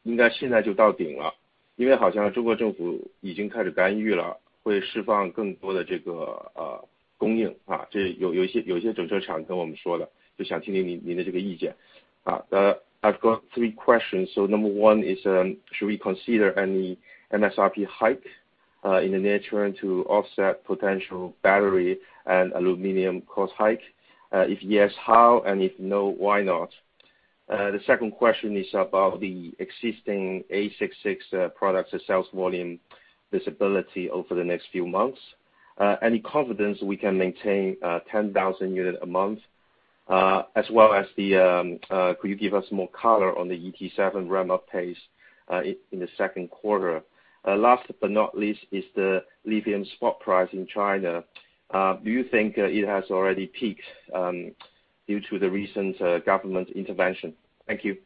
price，您认为是不是应该现在就到顶了？因为好像中国政府已经开始干预了，会释放更多的这个供应，有些整车厂跟我们说了，就想听听您的这个意见。I've got three questions. So number one is should we consider any MSRP hike in the near term to offset potential battery and aluminum cost hike? If yes, how? If no, why not? The second question is about the existing ES8, ES6, and EC6 products sales volume visibility over the next few months. Any confidence we can maintain 10,000 units a month, as well as, could you give us more color on the ET7 ramp-up pace in the second quarter? Last but not least is the lithium spot price in China. Do you think it has already peaked due to the recent government intervention? Thank you.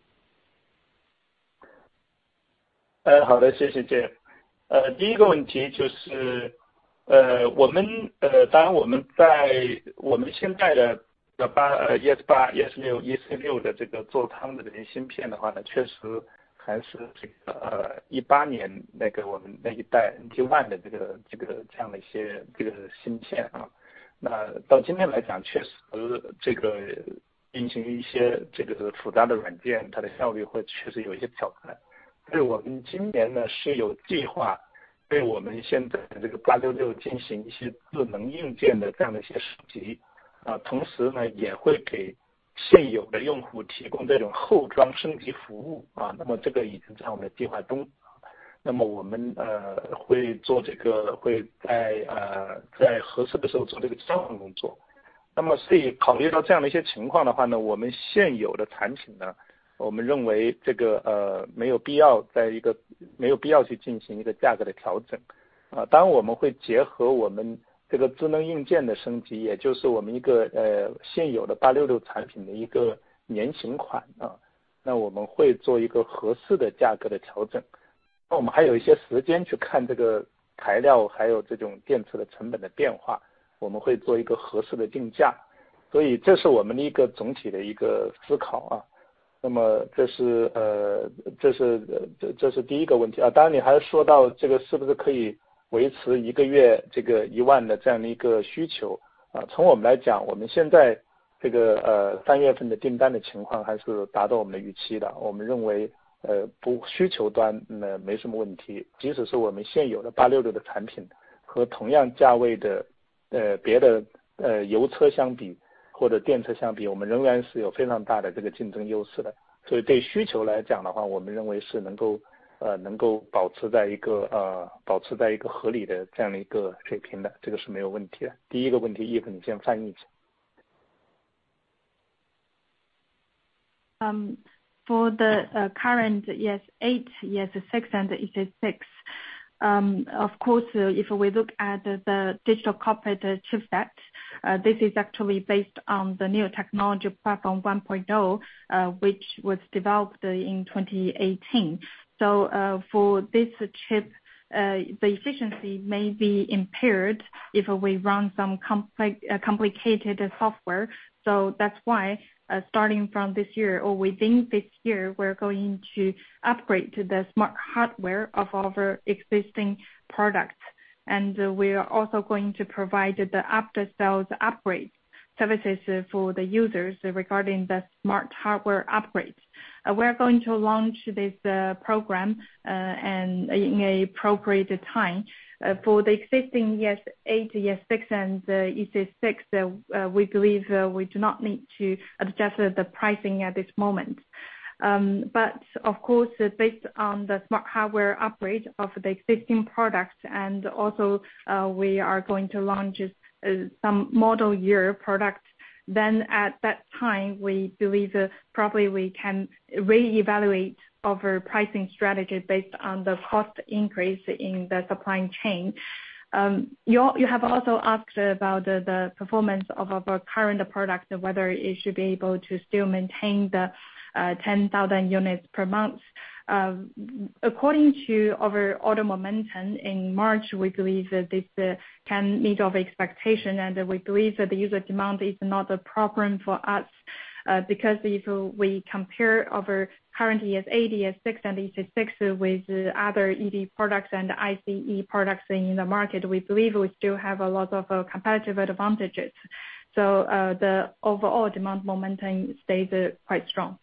For the current ES8, ES6 and EC6. Of course if we look at the digital cockpit chip set, this is actually based on the new technology platform 1.0 which was developed in 2018. For this chip, the efficiency may be impaired if we run some complicated software. That's why starting from this year or within this year, we're going to upgrade to the smart hardware of our existing products. We are also going to provide the after-sales upgrade services for the users regarding the smart hardware upgrades. We are going to launch this program and in an appropriate time for the existing ES8, ES6 and EC6, we believe we do not need to adjust the pricing at this moment. Of course, based on the smart hardware upgrade of the existing products and also we are going to launch some model year products, then at that time we believe probably we can re-evaluate our pricing strategy based on the cost increase in the supply chain. You have also asked about the performance of our current product, whether it should be able to still maintain the 10,000 units per month. According to our order momentum in March, we believe this can meet our expectation, and we believe that the user demand is not a problem for us, because if we compare our current ES8, ES6 and EC6 with other EV products and ICE products in the market, we believe we still have a lot of competitive advantages. The overall demand momentum stays quite strong.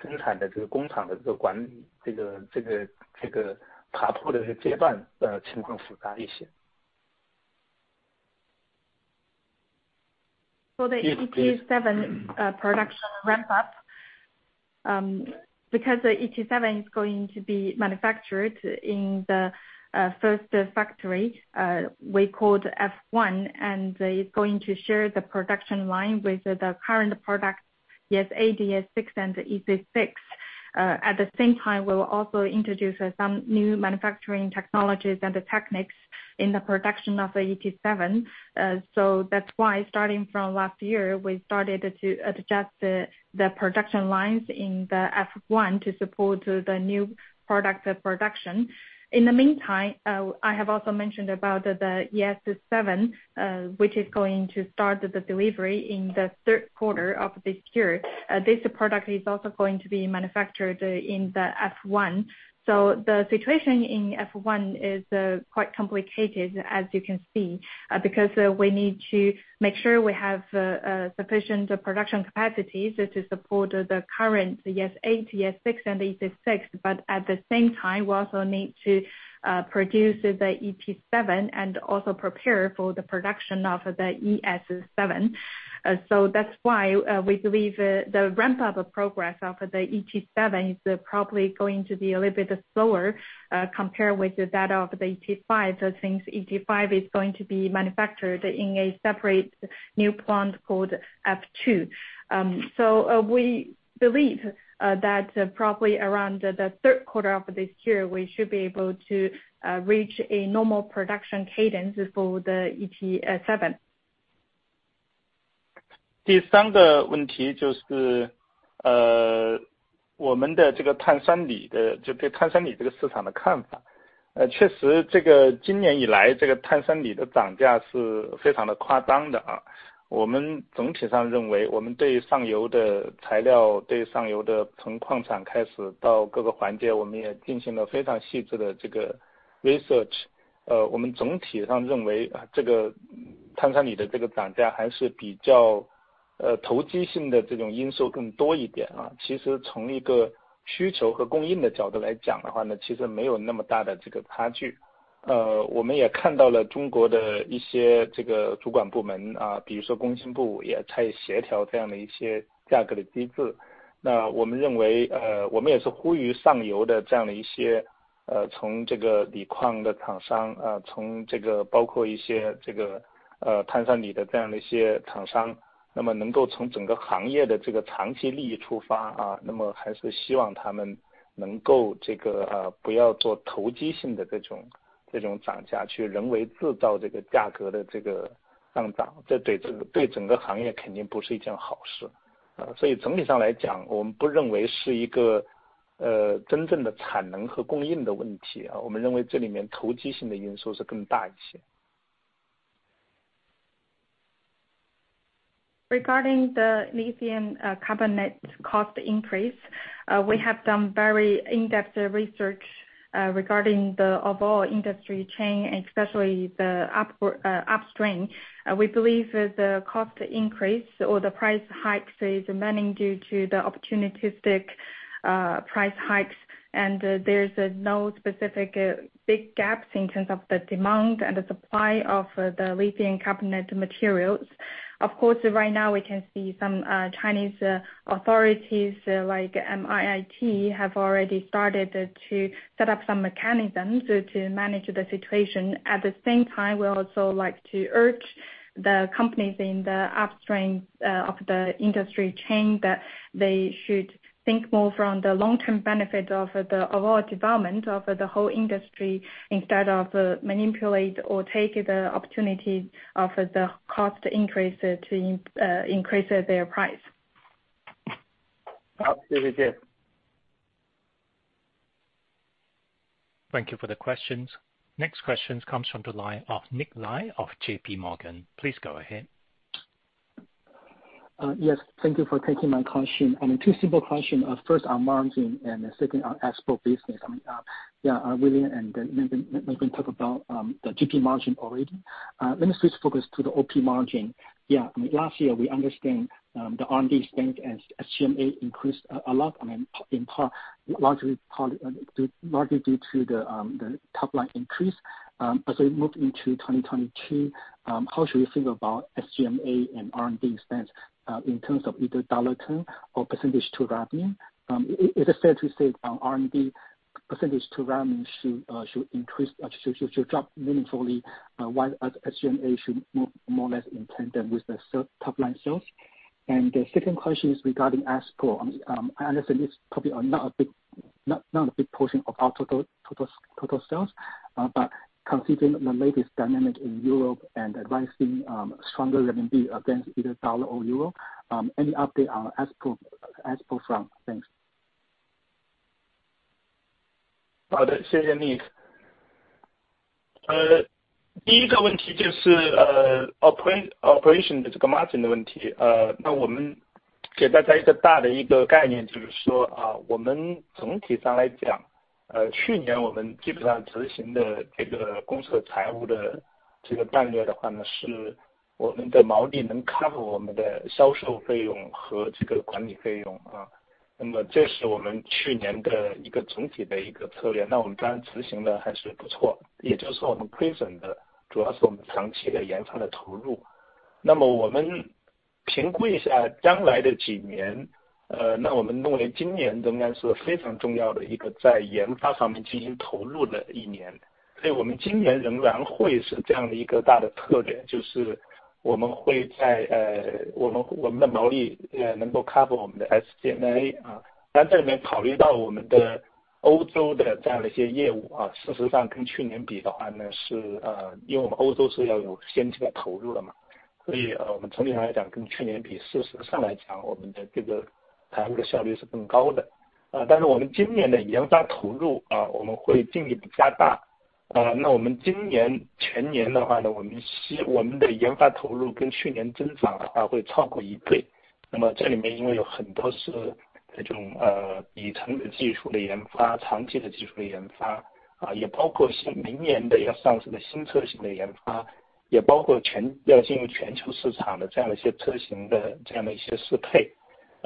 For the ET7 production ramp up. Because the ET7 is going to be manufactured in the first factory we called F1, and it's going to share the production line with the current product, ES8, ES6 and EC6. At the same time, we will also introduce some new manufacturing technologies and the techniques in the production of the ET7. That's why starting from last year, we started to adjust the production lines in the F1 to support the new product production. In the meantime, I have also mentioned about the ES7, which is going to start the delivery in the third quarter of this year. This product is also going to be manufactured in the F1. The situation in F1 is quite complicated, as you can see, because we need to make sure we have sufficient production capacities to support the current ES8, ES6 and EC6. At the same time, we also need to produce the ET7 and also prepare for the production of the ES7. That's why we believe the ramp up progress of the ET7 is probably going to be a little bit slower, compared with that of the ET5. Since ET5 is going to be manufactured in a separate new plant called F2. We believe that probably around the third quarter of this year, we should be able to reach a normal production cadence for the ET7. Regarding the lithium carbonate cost increase. We have done very in-depth research regarding the overall industry chain, especially the upstream. We believe the cost increase or the price hikes is mainly due to the opportunistic price hikes. There's no specific big gaps in terms of the demand and the supply of the lithium carbonate materials. Of course, right now we can see some Chinese authorities like MIIT have already started to set up some mechanisms to manage the situation. At the same time, we also like to urge the companies in the upstream of the industry chain that they should think more from the long term benefit of the overall development of the whole industry, instead of manipulate or take the opportunity of the cost increase to increase their price. 好，谢谢您。Thank you for the questions. Next question comes from the line of Nick Lai of JPMorgan. Please go ahead. Yes, thank you for taking my question. Two simple question. First on margin, and second on export business. I mean, William and then Nelson talk about the GP margin already. Let me switch focus to the OP margin. I mean, last year we understand the R&D spend and SG&A increased a lot, I mean, largely due to the top-line increase. As we move into 2022, how should we think about SG&A and R&D expense in terms of either dollar term or percentage to revenue? Is it fair to say R&D percentage to revenue should drop meaningfully while SG&A should move more or less in tandem with the top-line sales? The second question is regarding export. I understand it's probably not a big portion of our total sales, but considering the latest dynamic in Europe and advancing stronger RMB against either dollar or euro, any update on export front? Thanks. Nick.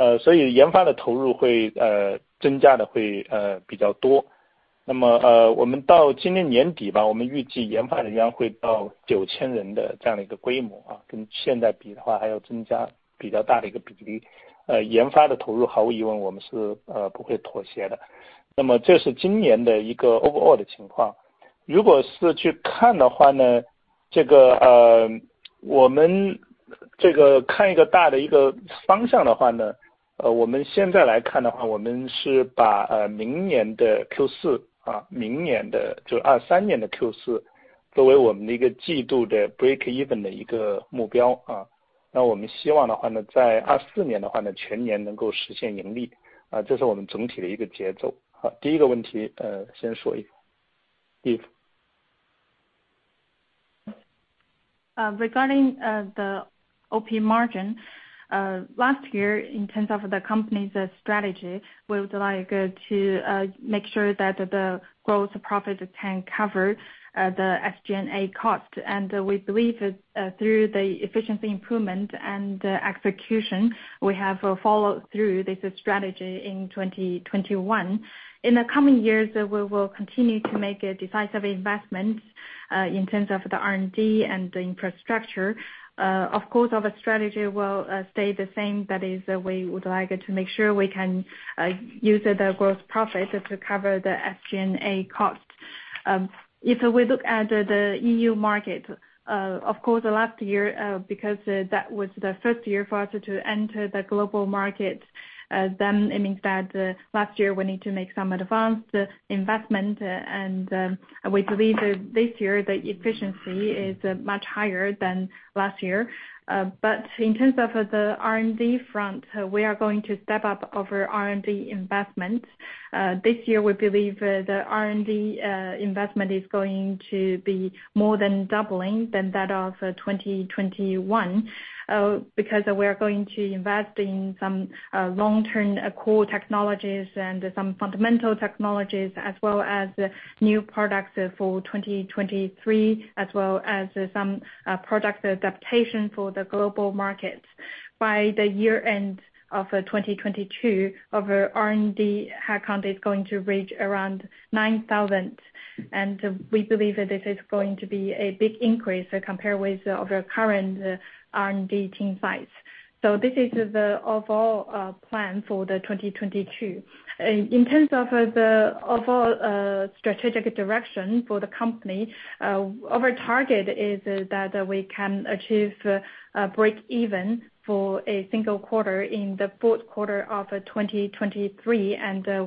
Regarding the OP margin, last year in terms of the company's strategy, we would like to make sure that the growth profit can cover the SG&A cost. We believe that through the efficiency improvement and execution, we have followed through this strategy in 2021. In the coming years, we will continue to make a decisive investment in terms of the R&D and the infrastructure. Of course, our strategy will stay the same. That is, we would like it to make sure we can use the growth profit to cover the SG&A costs. If we look at the EU market, of course the last year, because that was the first year for us to enter the global market, then it means that last year we need to make some advanced investment. We believe that this year the efficiency is much higher than last year. In terms of the R&D front, we are going to step up our R&D investment. This year we believe the R&D investment is going to be more than doubling than that of 2021, because we are going to invest in some long-term core technologies and some fundamental technologies, as well as new products for 2023, as well as some product adaptation for the global market. By the year-end of 2022, our R&D headcount is going to reach around 9,000, and we believe that this is going to be a big increase compared with our current R&D team size. This is the overall plan for 2022. In terms of the overall strategic direction for the company, our target is that we can achieve a break even for a single quarter in the fourth quarter of 2023.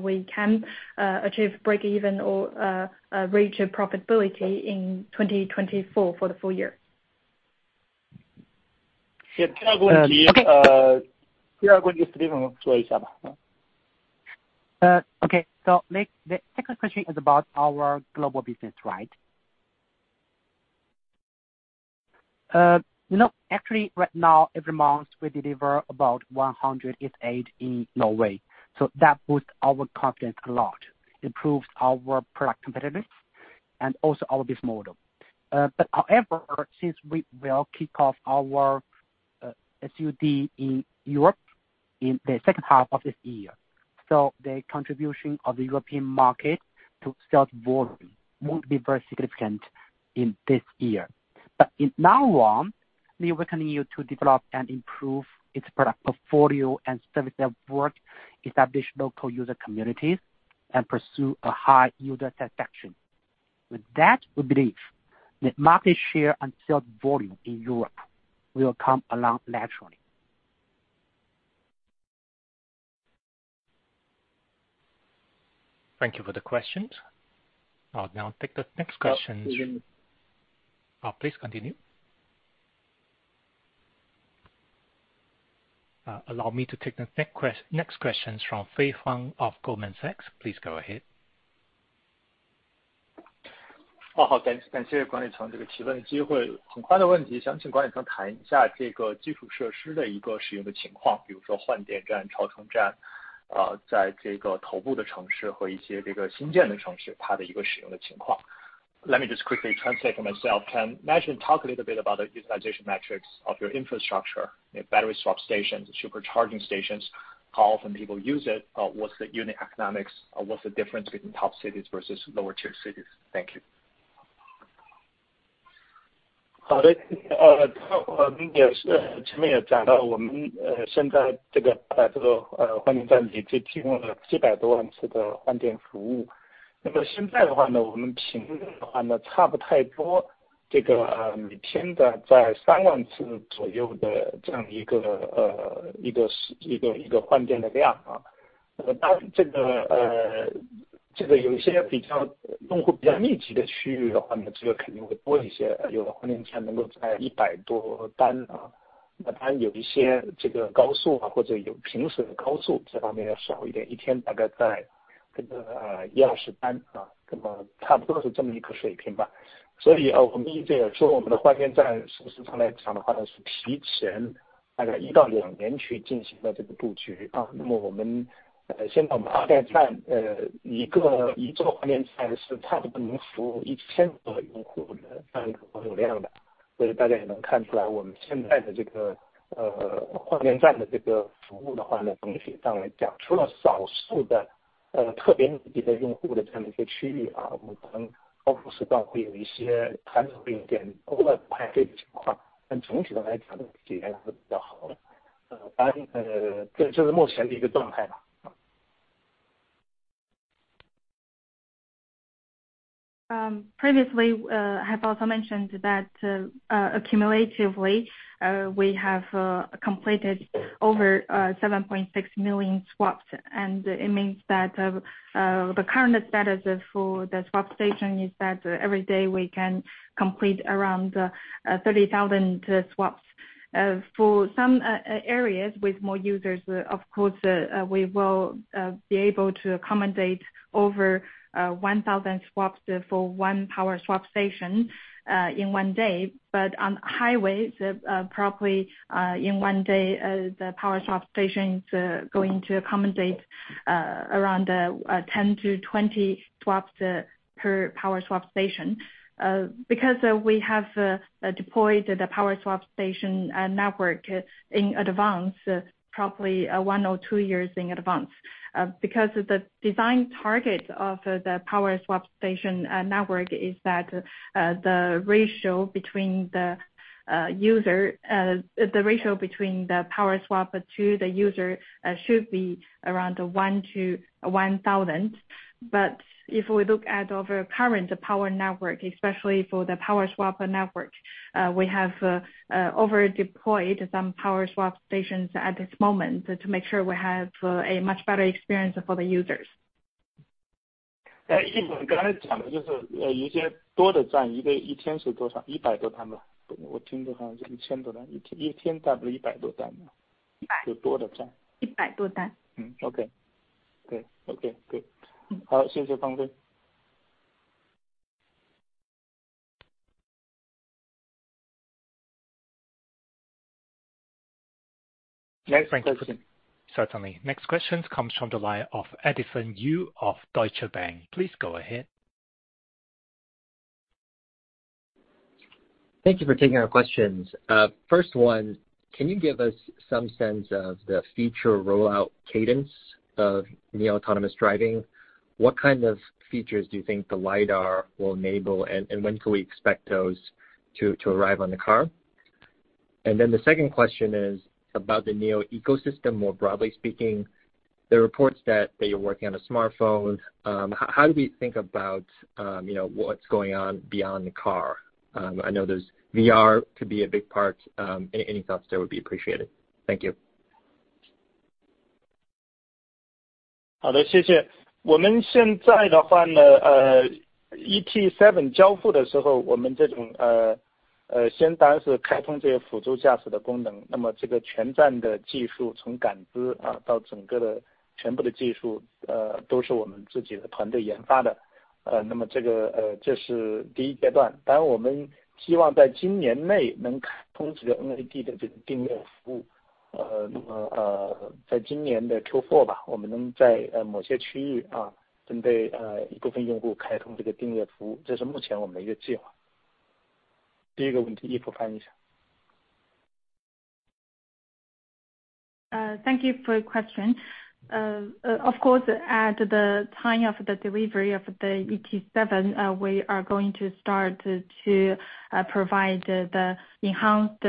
We can achieve break even or reach a profitability in 2024 for the full year. Okay. Next, the second question is about our global business, right? You know, actually right now, every month we deliver about 100 ES8 in Norway. That boosts our confidence a lot, improves our product competitiveness and also our business model. However, since we will kick off our SUV in Europe in the second half of this year, the contribution of the European market to sales volume won't be very significant in this year. In the long run, we will continue to develop and improve its product portfolio and service network, establish local user communities and pursue a high user satisfaction. With that, we believe that market share and sales volume in Europe will come along naturally. Thank you for the questions. I'll now take the next question. Please continue. Allow me to take the next question from Fei Fang of Goldman Sachs. Please go ahead. Let me just quickly translate for myself. Can management talk a little bit about the utilization metrics of your infrastructure, you know, battery swap stations, supercharging stations, how often people use it, what's the unit economics or what's the difference between top cities versus lower tier cities? Thank you. Previously, we have also mentioned that cumulatively we have completed over 7.6 million swaps. It means that the current status for the swap station is that every day we can complete around 30,000 swaps. For some areas with more users, of course, we will be able to accommodate over 1,000 swaps for one power swap station in one day. On highways, probably, in one day, the power swap station is going to accommodate around 10-20 swaps per power swap station. We have deployed the power swap station network in advance, probably one or two years in advance. Because the design target of the power swap station network is that the ratio between the power swap to the user should be around 1 to 1,000. If we look at our current power network, especially for the power swap network, we have over deployed some power swap stations at this moment to make sure we have a much better experience for the users. 100 swap. Okay. Good. Certainly. Next question comes from the line of Edison Yu of Deutsche Bank. Please go ahead. Thank you for taking our questions. First one, can you give us some sense of the future rollout cadence of NIO Autonomous Driving? What kind of features do you think the LIDAR will enable, and when can we expect those to arrive on the car? Then the second question is about the NIO ecosystem, more broadly speaking. There are reports that you're working on a smartphone. How do we think about, you know, what's going on beyond the car? I know there's VR could be a big part. Any thoughts there would be appreciated. Thank you. 好的，ET7交付的时候，我们这种先当然是开通这些辅助驾驶的功能，那么这个全栈的技术，从感知到整个的全部的技术，都是我们自己的团队研发的，那么这是第一阶段。当然我们希望在今年内能开通这个NAD的订阅服务，那么在今年的Q4吧，我们能在某些区域，针对一部分用户开通这个订阅服务，这是目前我们的一个计划。第一个问题，Eve Tang翻译一下。Thank you for your question. Of course, at the time of the delivery of the ET7, we are going to start to provide the enhanced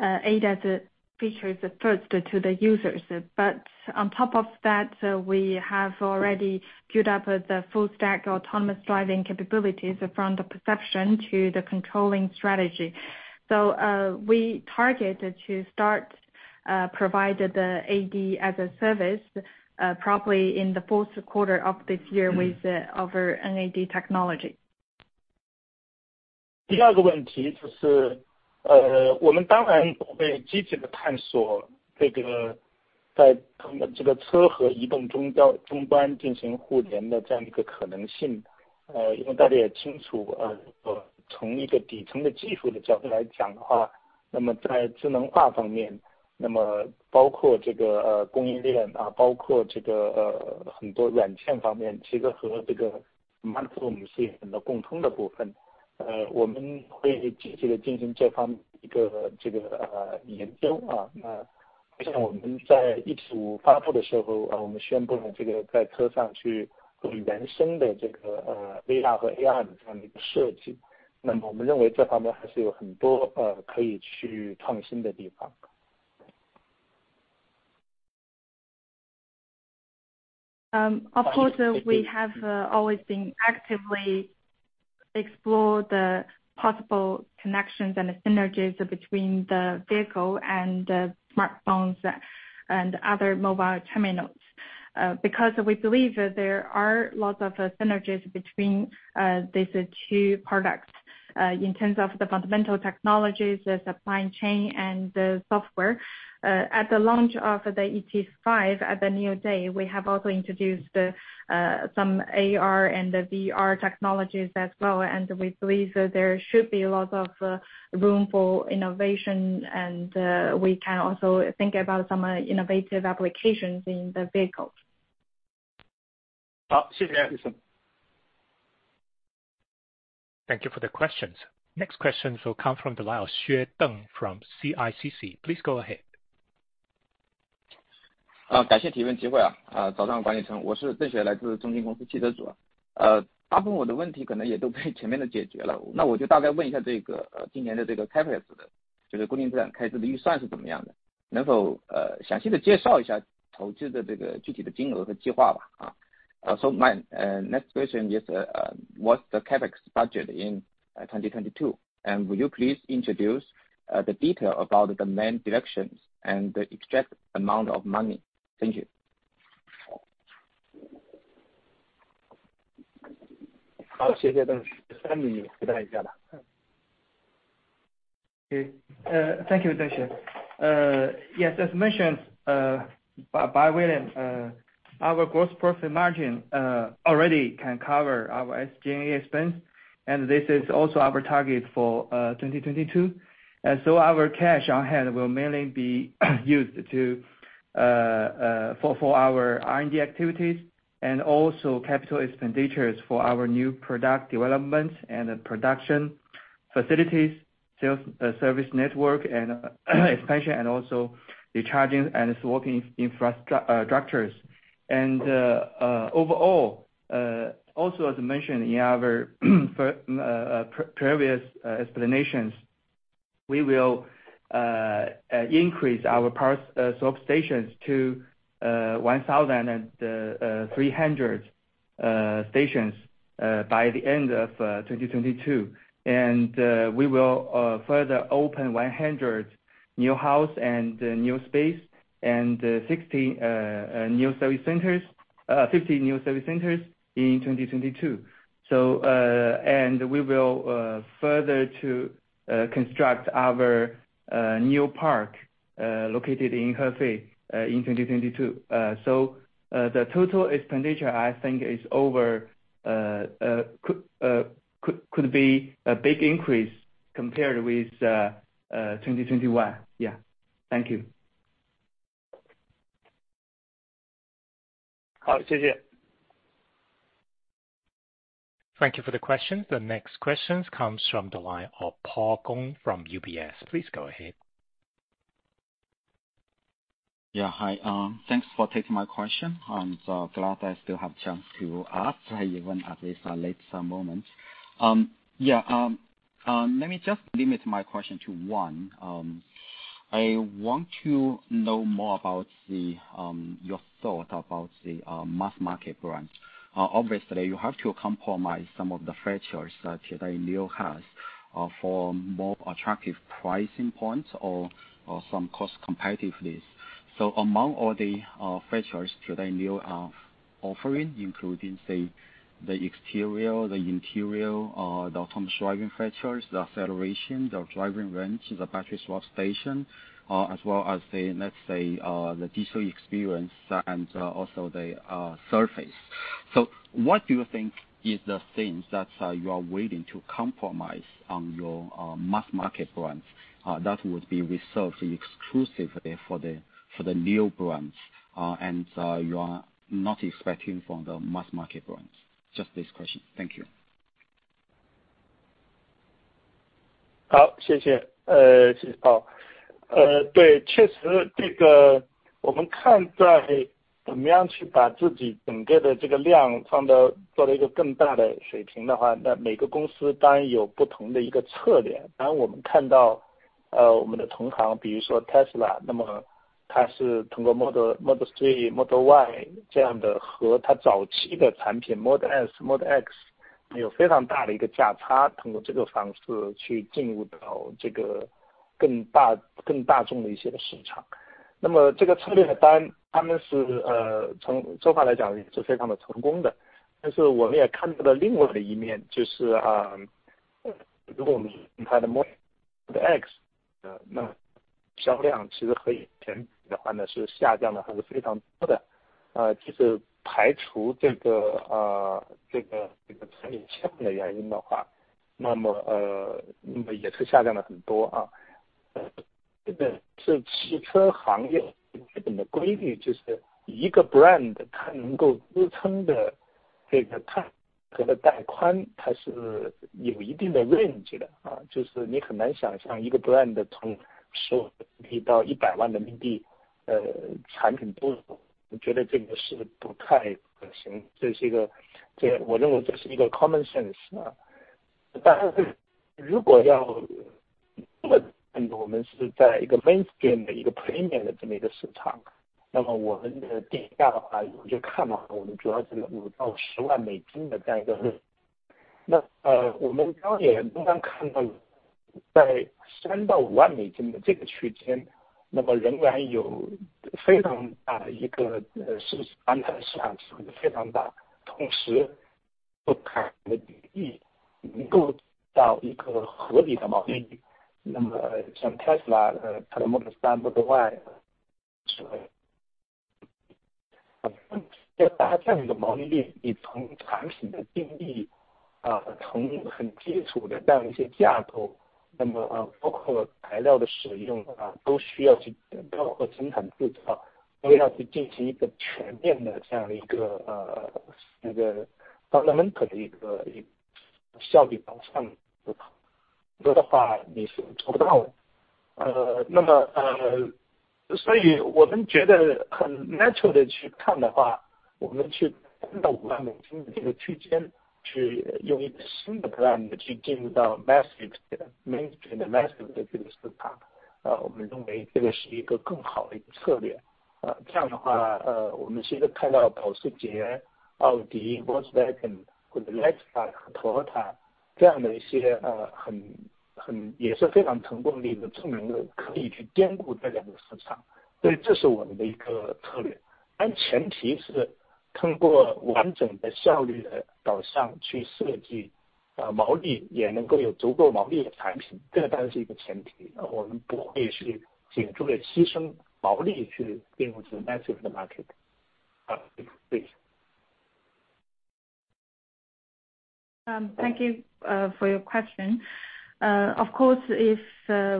ADAS features first to the users. But on top of that, we have already cued up the full stack autonomous driving capabilities from the perception to the controlling strategy. We targeted to start provide the AD as a Service, probably in the fourth quarter of this year with our NAD technology. Of course, we have always been actively explore the possible connections and synergies between the vehicle and smartphones and other mobile terminals, because we believe there are lots of synergies between these two products in terms of the fundamental technologies, the supply chain and the software. At the launch of the ET5 at the NIO Day, we have also introduced some AR and VR technologies as well, and we believe that there should be lots of room for innovation. We can also think about some innovative applications in the vehicles. 好，谢谢 Eve Tang。Thank you for the questions. Next question from the line Xue Deng from CICC. Please go ahead. 感谢提问机会。早上好，我是邓雪，来自中金公司研究组。大部分我的问题可能也都被前面的解决了，那我就大概问一下，今年的CapEx，就是固定资产开支的预算是怎么样的？能否详细地介绍一下投资的具体金额和计划吧。My next question is, what's the CapEx budget in 2022? Will you please introduce the detail about the main directions and the exact amount of money? Thank you. 好，谢谢邓雪。William 回答一下吧。Thank you, Deng Xue. Yes, as mentioned by William, our gross profit margin already can cover our SG&A expense, and this is also our target for 2022. Our cash on hand will mainly be used for our R&D activities and also capital expenditures for our new product developments and production facilities, sales service network and expansion, and also the charging and swapping infrastructures. Overall, also as mentioned in our previous explanations, we will increase our power swap stations to 1,300 stations by the end of 2022. We will further open 100 NIO House and NIO Space and 60 NIO Service Centers, 50 NIO Service Centers in 2022. We will further construct our NIO Park located in Hefei in 2022. The total expenditure I think overall could be a big increase compared with 2021. Yeah. Thank you. 好，谢谢。Thank you for the question. The next question comes from the line of Paul Gong from UBS. Please go ahead. Yeah, hi, thanks for taking my question. I'm so glad I still have a chance to ask even at this late moment. Let me just limit my question to one. I want to know more about your thought about the mass market brand. Obviously you have to compromise some of the features such that NIO has for more attractive pricing points or some cost competitiveness. Among all the features that NIO are offering, including say the exterior, the interior, the autonomous driving features, the acceleration, the driving range, the battery swap station, as well as the, let's say, the digital experience and also the service. What do you think is the things that you are willing to compromise on your mass market brands that would be reserved exclusive for the NIO brands and you are not expecting from the mass market brands? Just this question. Thank you. Thank you, Paul. Thank you for your question. Of course, if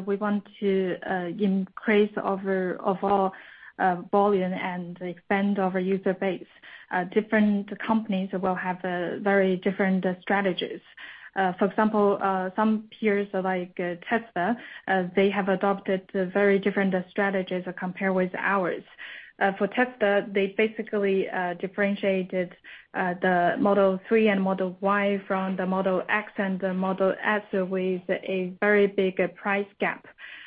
we want to increase our volume and expand our user base, different companies will have very different strategies. For example, some peers like Tesla, they have adopted very different strategies compared with ours. For Tesla, they basically differentiated the Model 3 and Model Y from the Model X and the Model S with a very big price gap.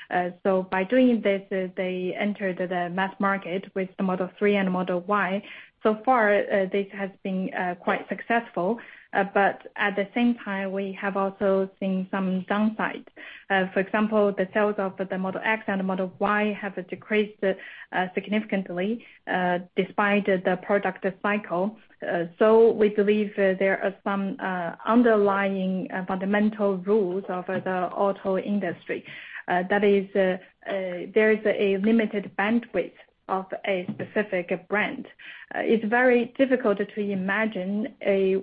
By doing this, they entered the mass market with the Model 3 and Model Y. So far, this has been quite successful. At the same time, we have also seen some downsides. For example, the sales of the Model X and the Model Y have decreased significantly despite the product cycle. We believe there are some underlying fundamental rules of the auto industry. That is, there is a limited bandwidth of a specific brand. It's very difficult to imagine a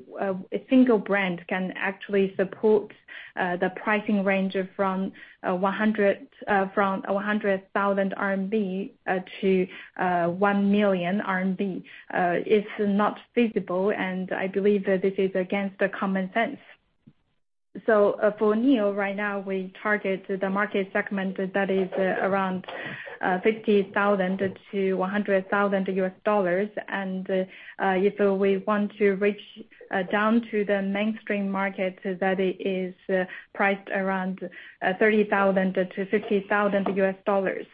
single brand can actually support the pricing range from 100,000-1 million RMB. It's not feasible, and I believe that this is against the common sense. For NIO right now, we target the market segment that is around $50,000-$100,000. If we want to reach down to the mainstream market that is priced around $30,000-$50,000.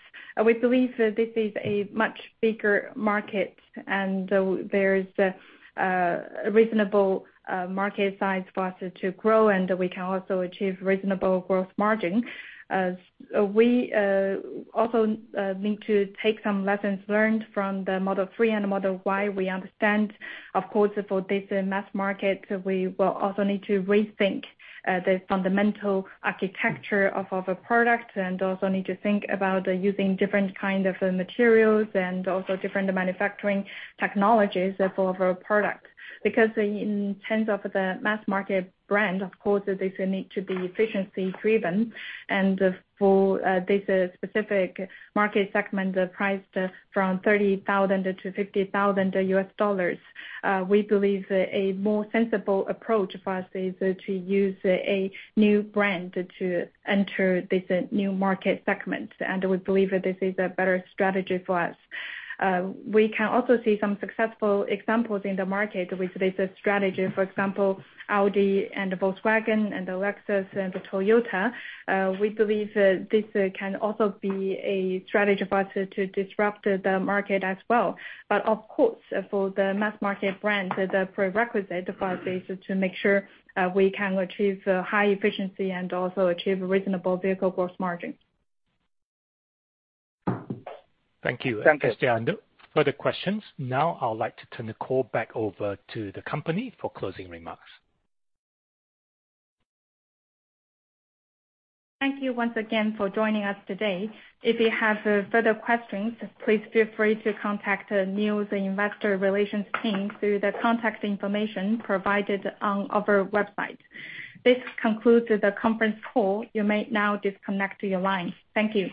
We believe this is a much bigger market and there is reasonable market size for us to grow, and we can also achieve reasonable growth margin. We also need to take some lessons learned from the Model 3 and the Model Y. We understand, of course, for this mass market, we will also need to rethink the fundamental architecture of other products, and also need to think about using different kind of materials and also different manufacturing technologies for our products. Because in terms of the mass market brand, of course, this will need to be efficiency driven. For this specific market segment priced from $30,000-$50,000, we believe a more sensible approach for us is to use a new brand to enter this new market segment. We believe that this is a better strategy for us. We can also see some successful examples in the market with this strategy. For example, Audi and Volkswagen and Lexus and Toyota. We believe this can also be a strategy for us to disrupt the market as well. Of course, for the mass market brand, the prerequisite for us is to make sure we can achieve high efficiency and also achieve reasonable vehicle gross margin. Thank you. Thank you. There's no further questions. Now I would like to turn the call back over to the company for closing remarks. Thank you once again for joining us today. If you have further questions, please feel free to contact NIO's Investor Relations team through the contact information provided on our website. This concludes the conference call. You may now disconnect your line. Thank you.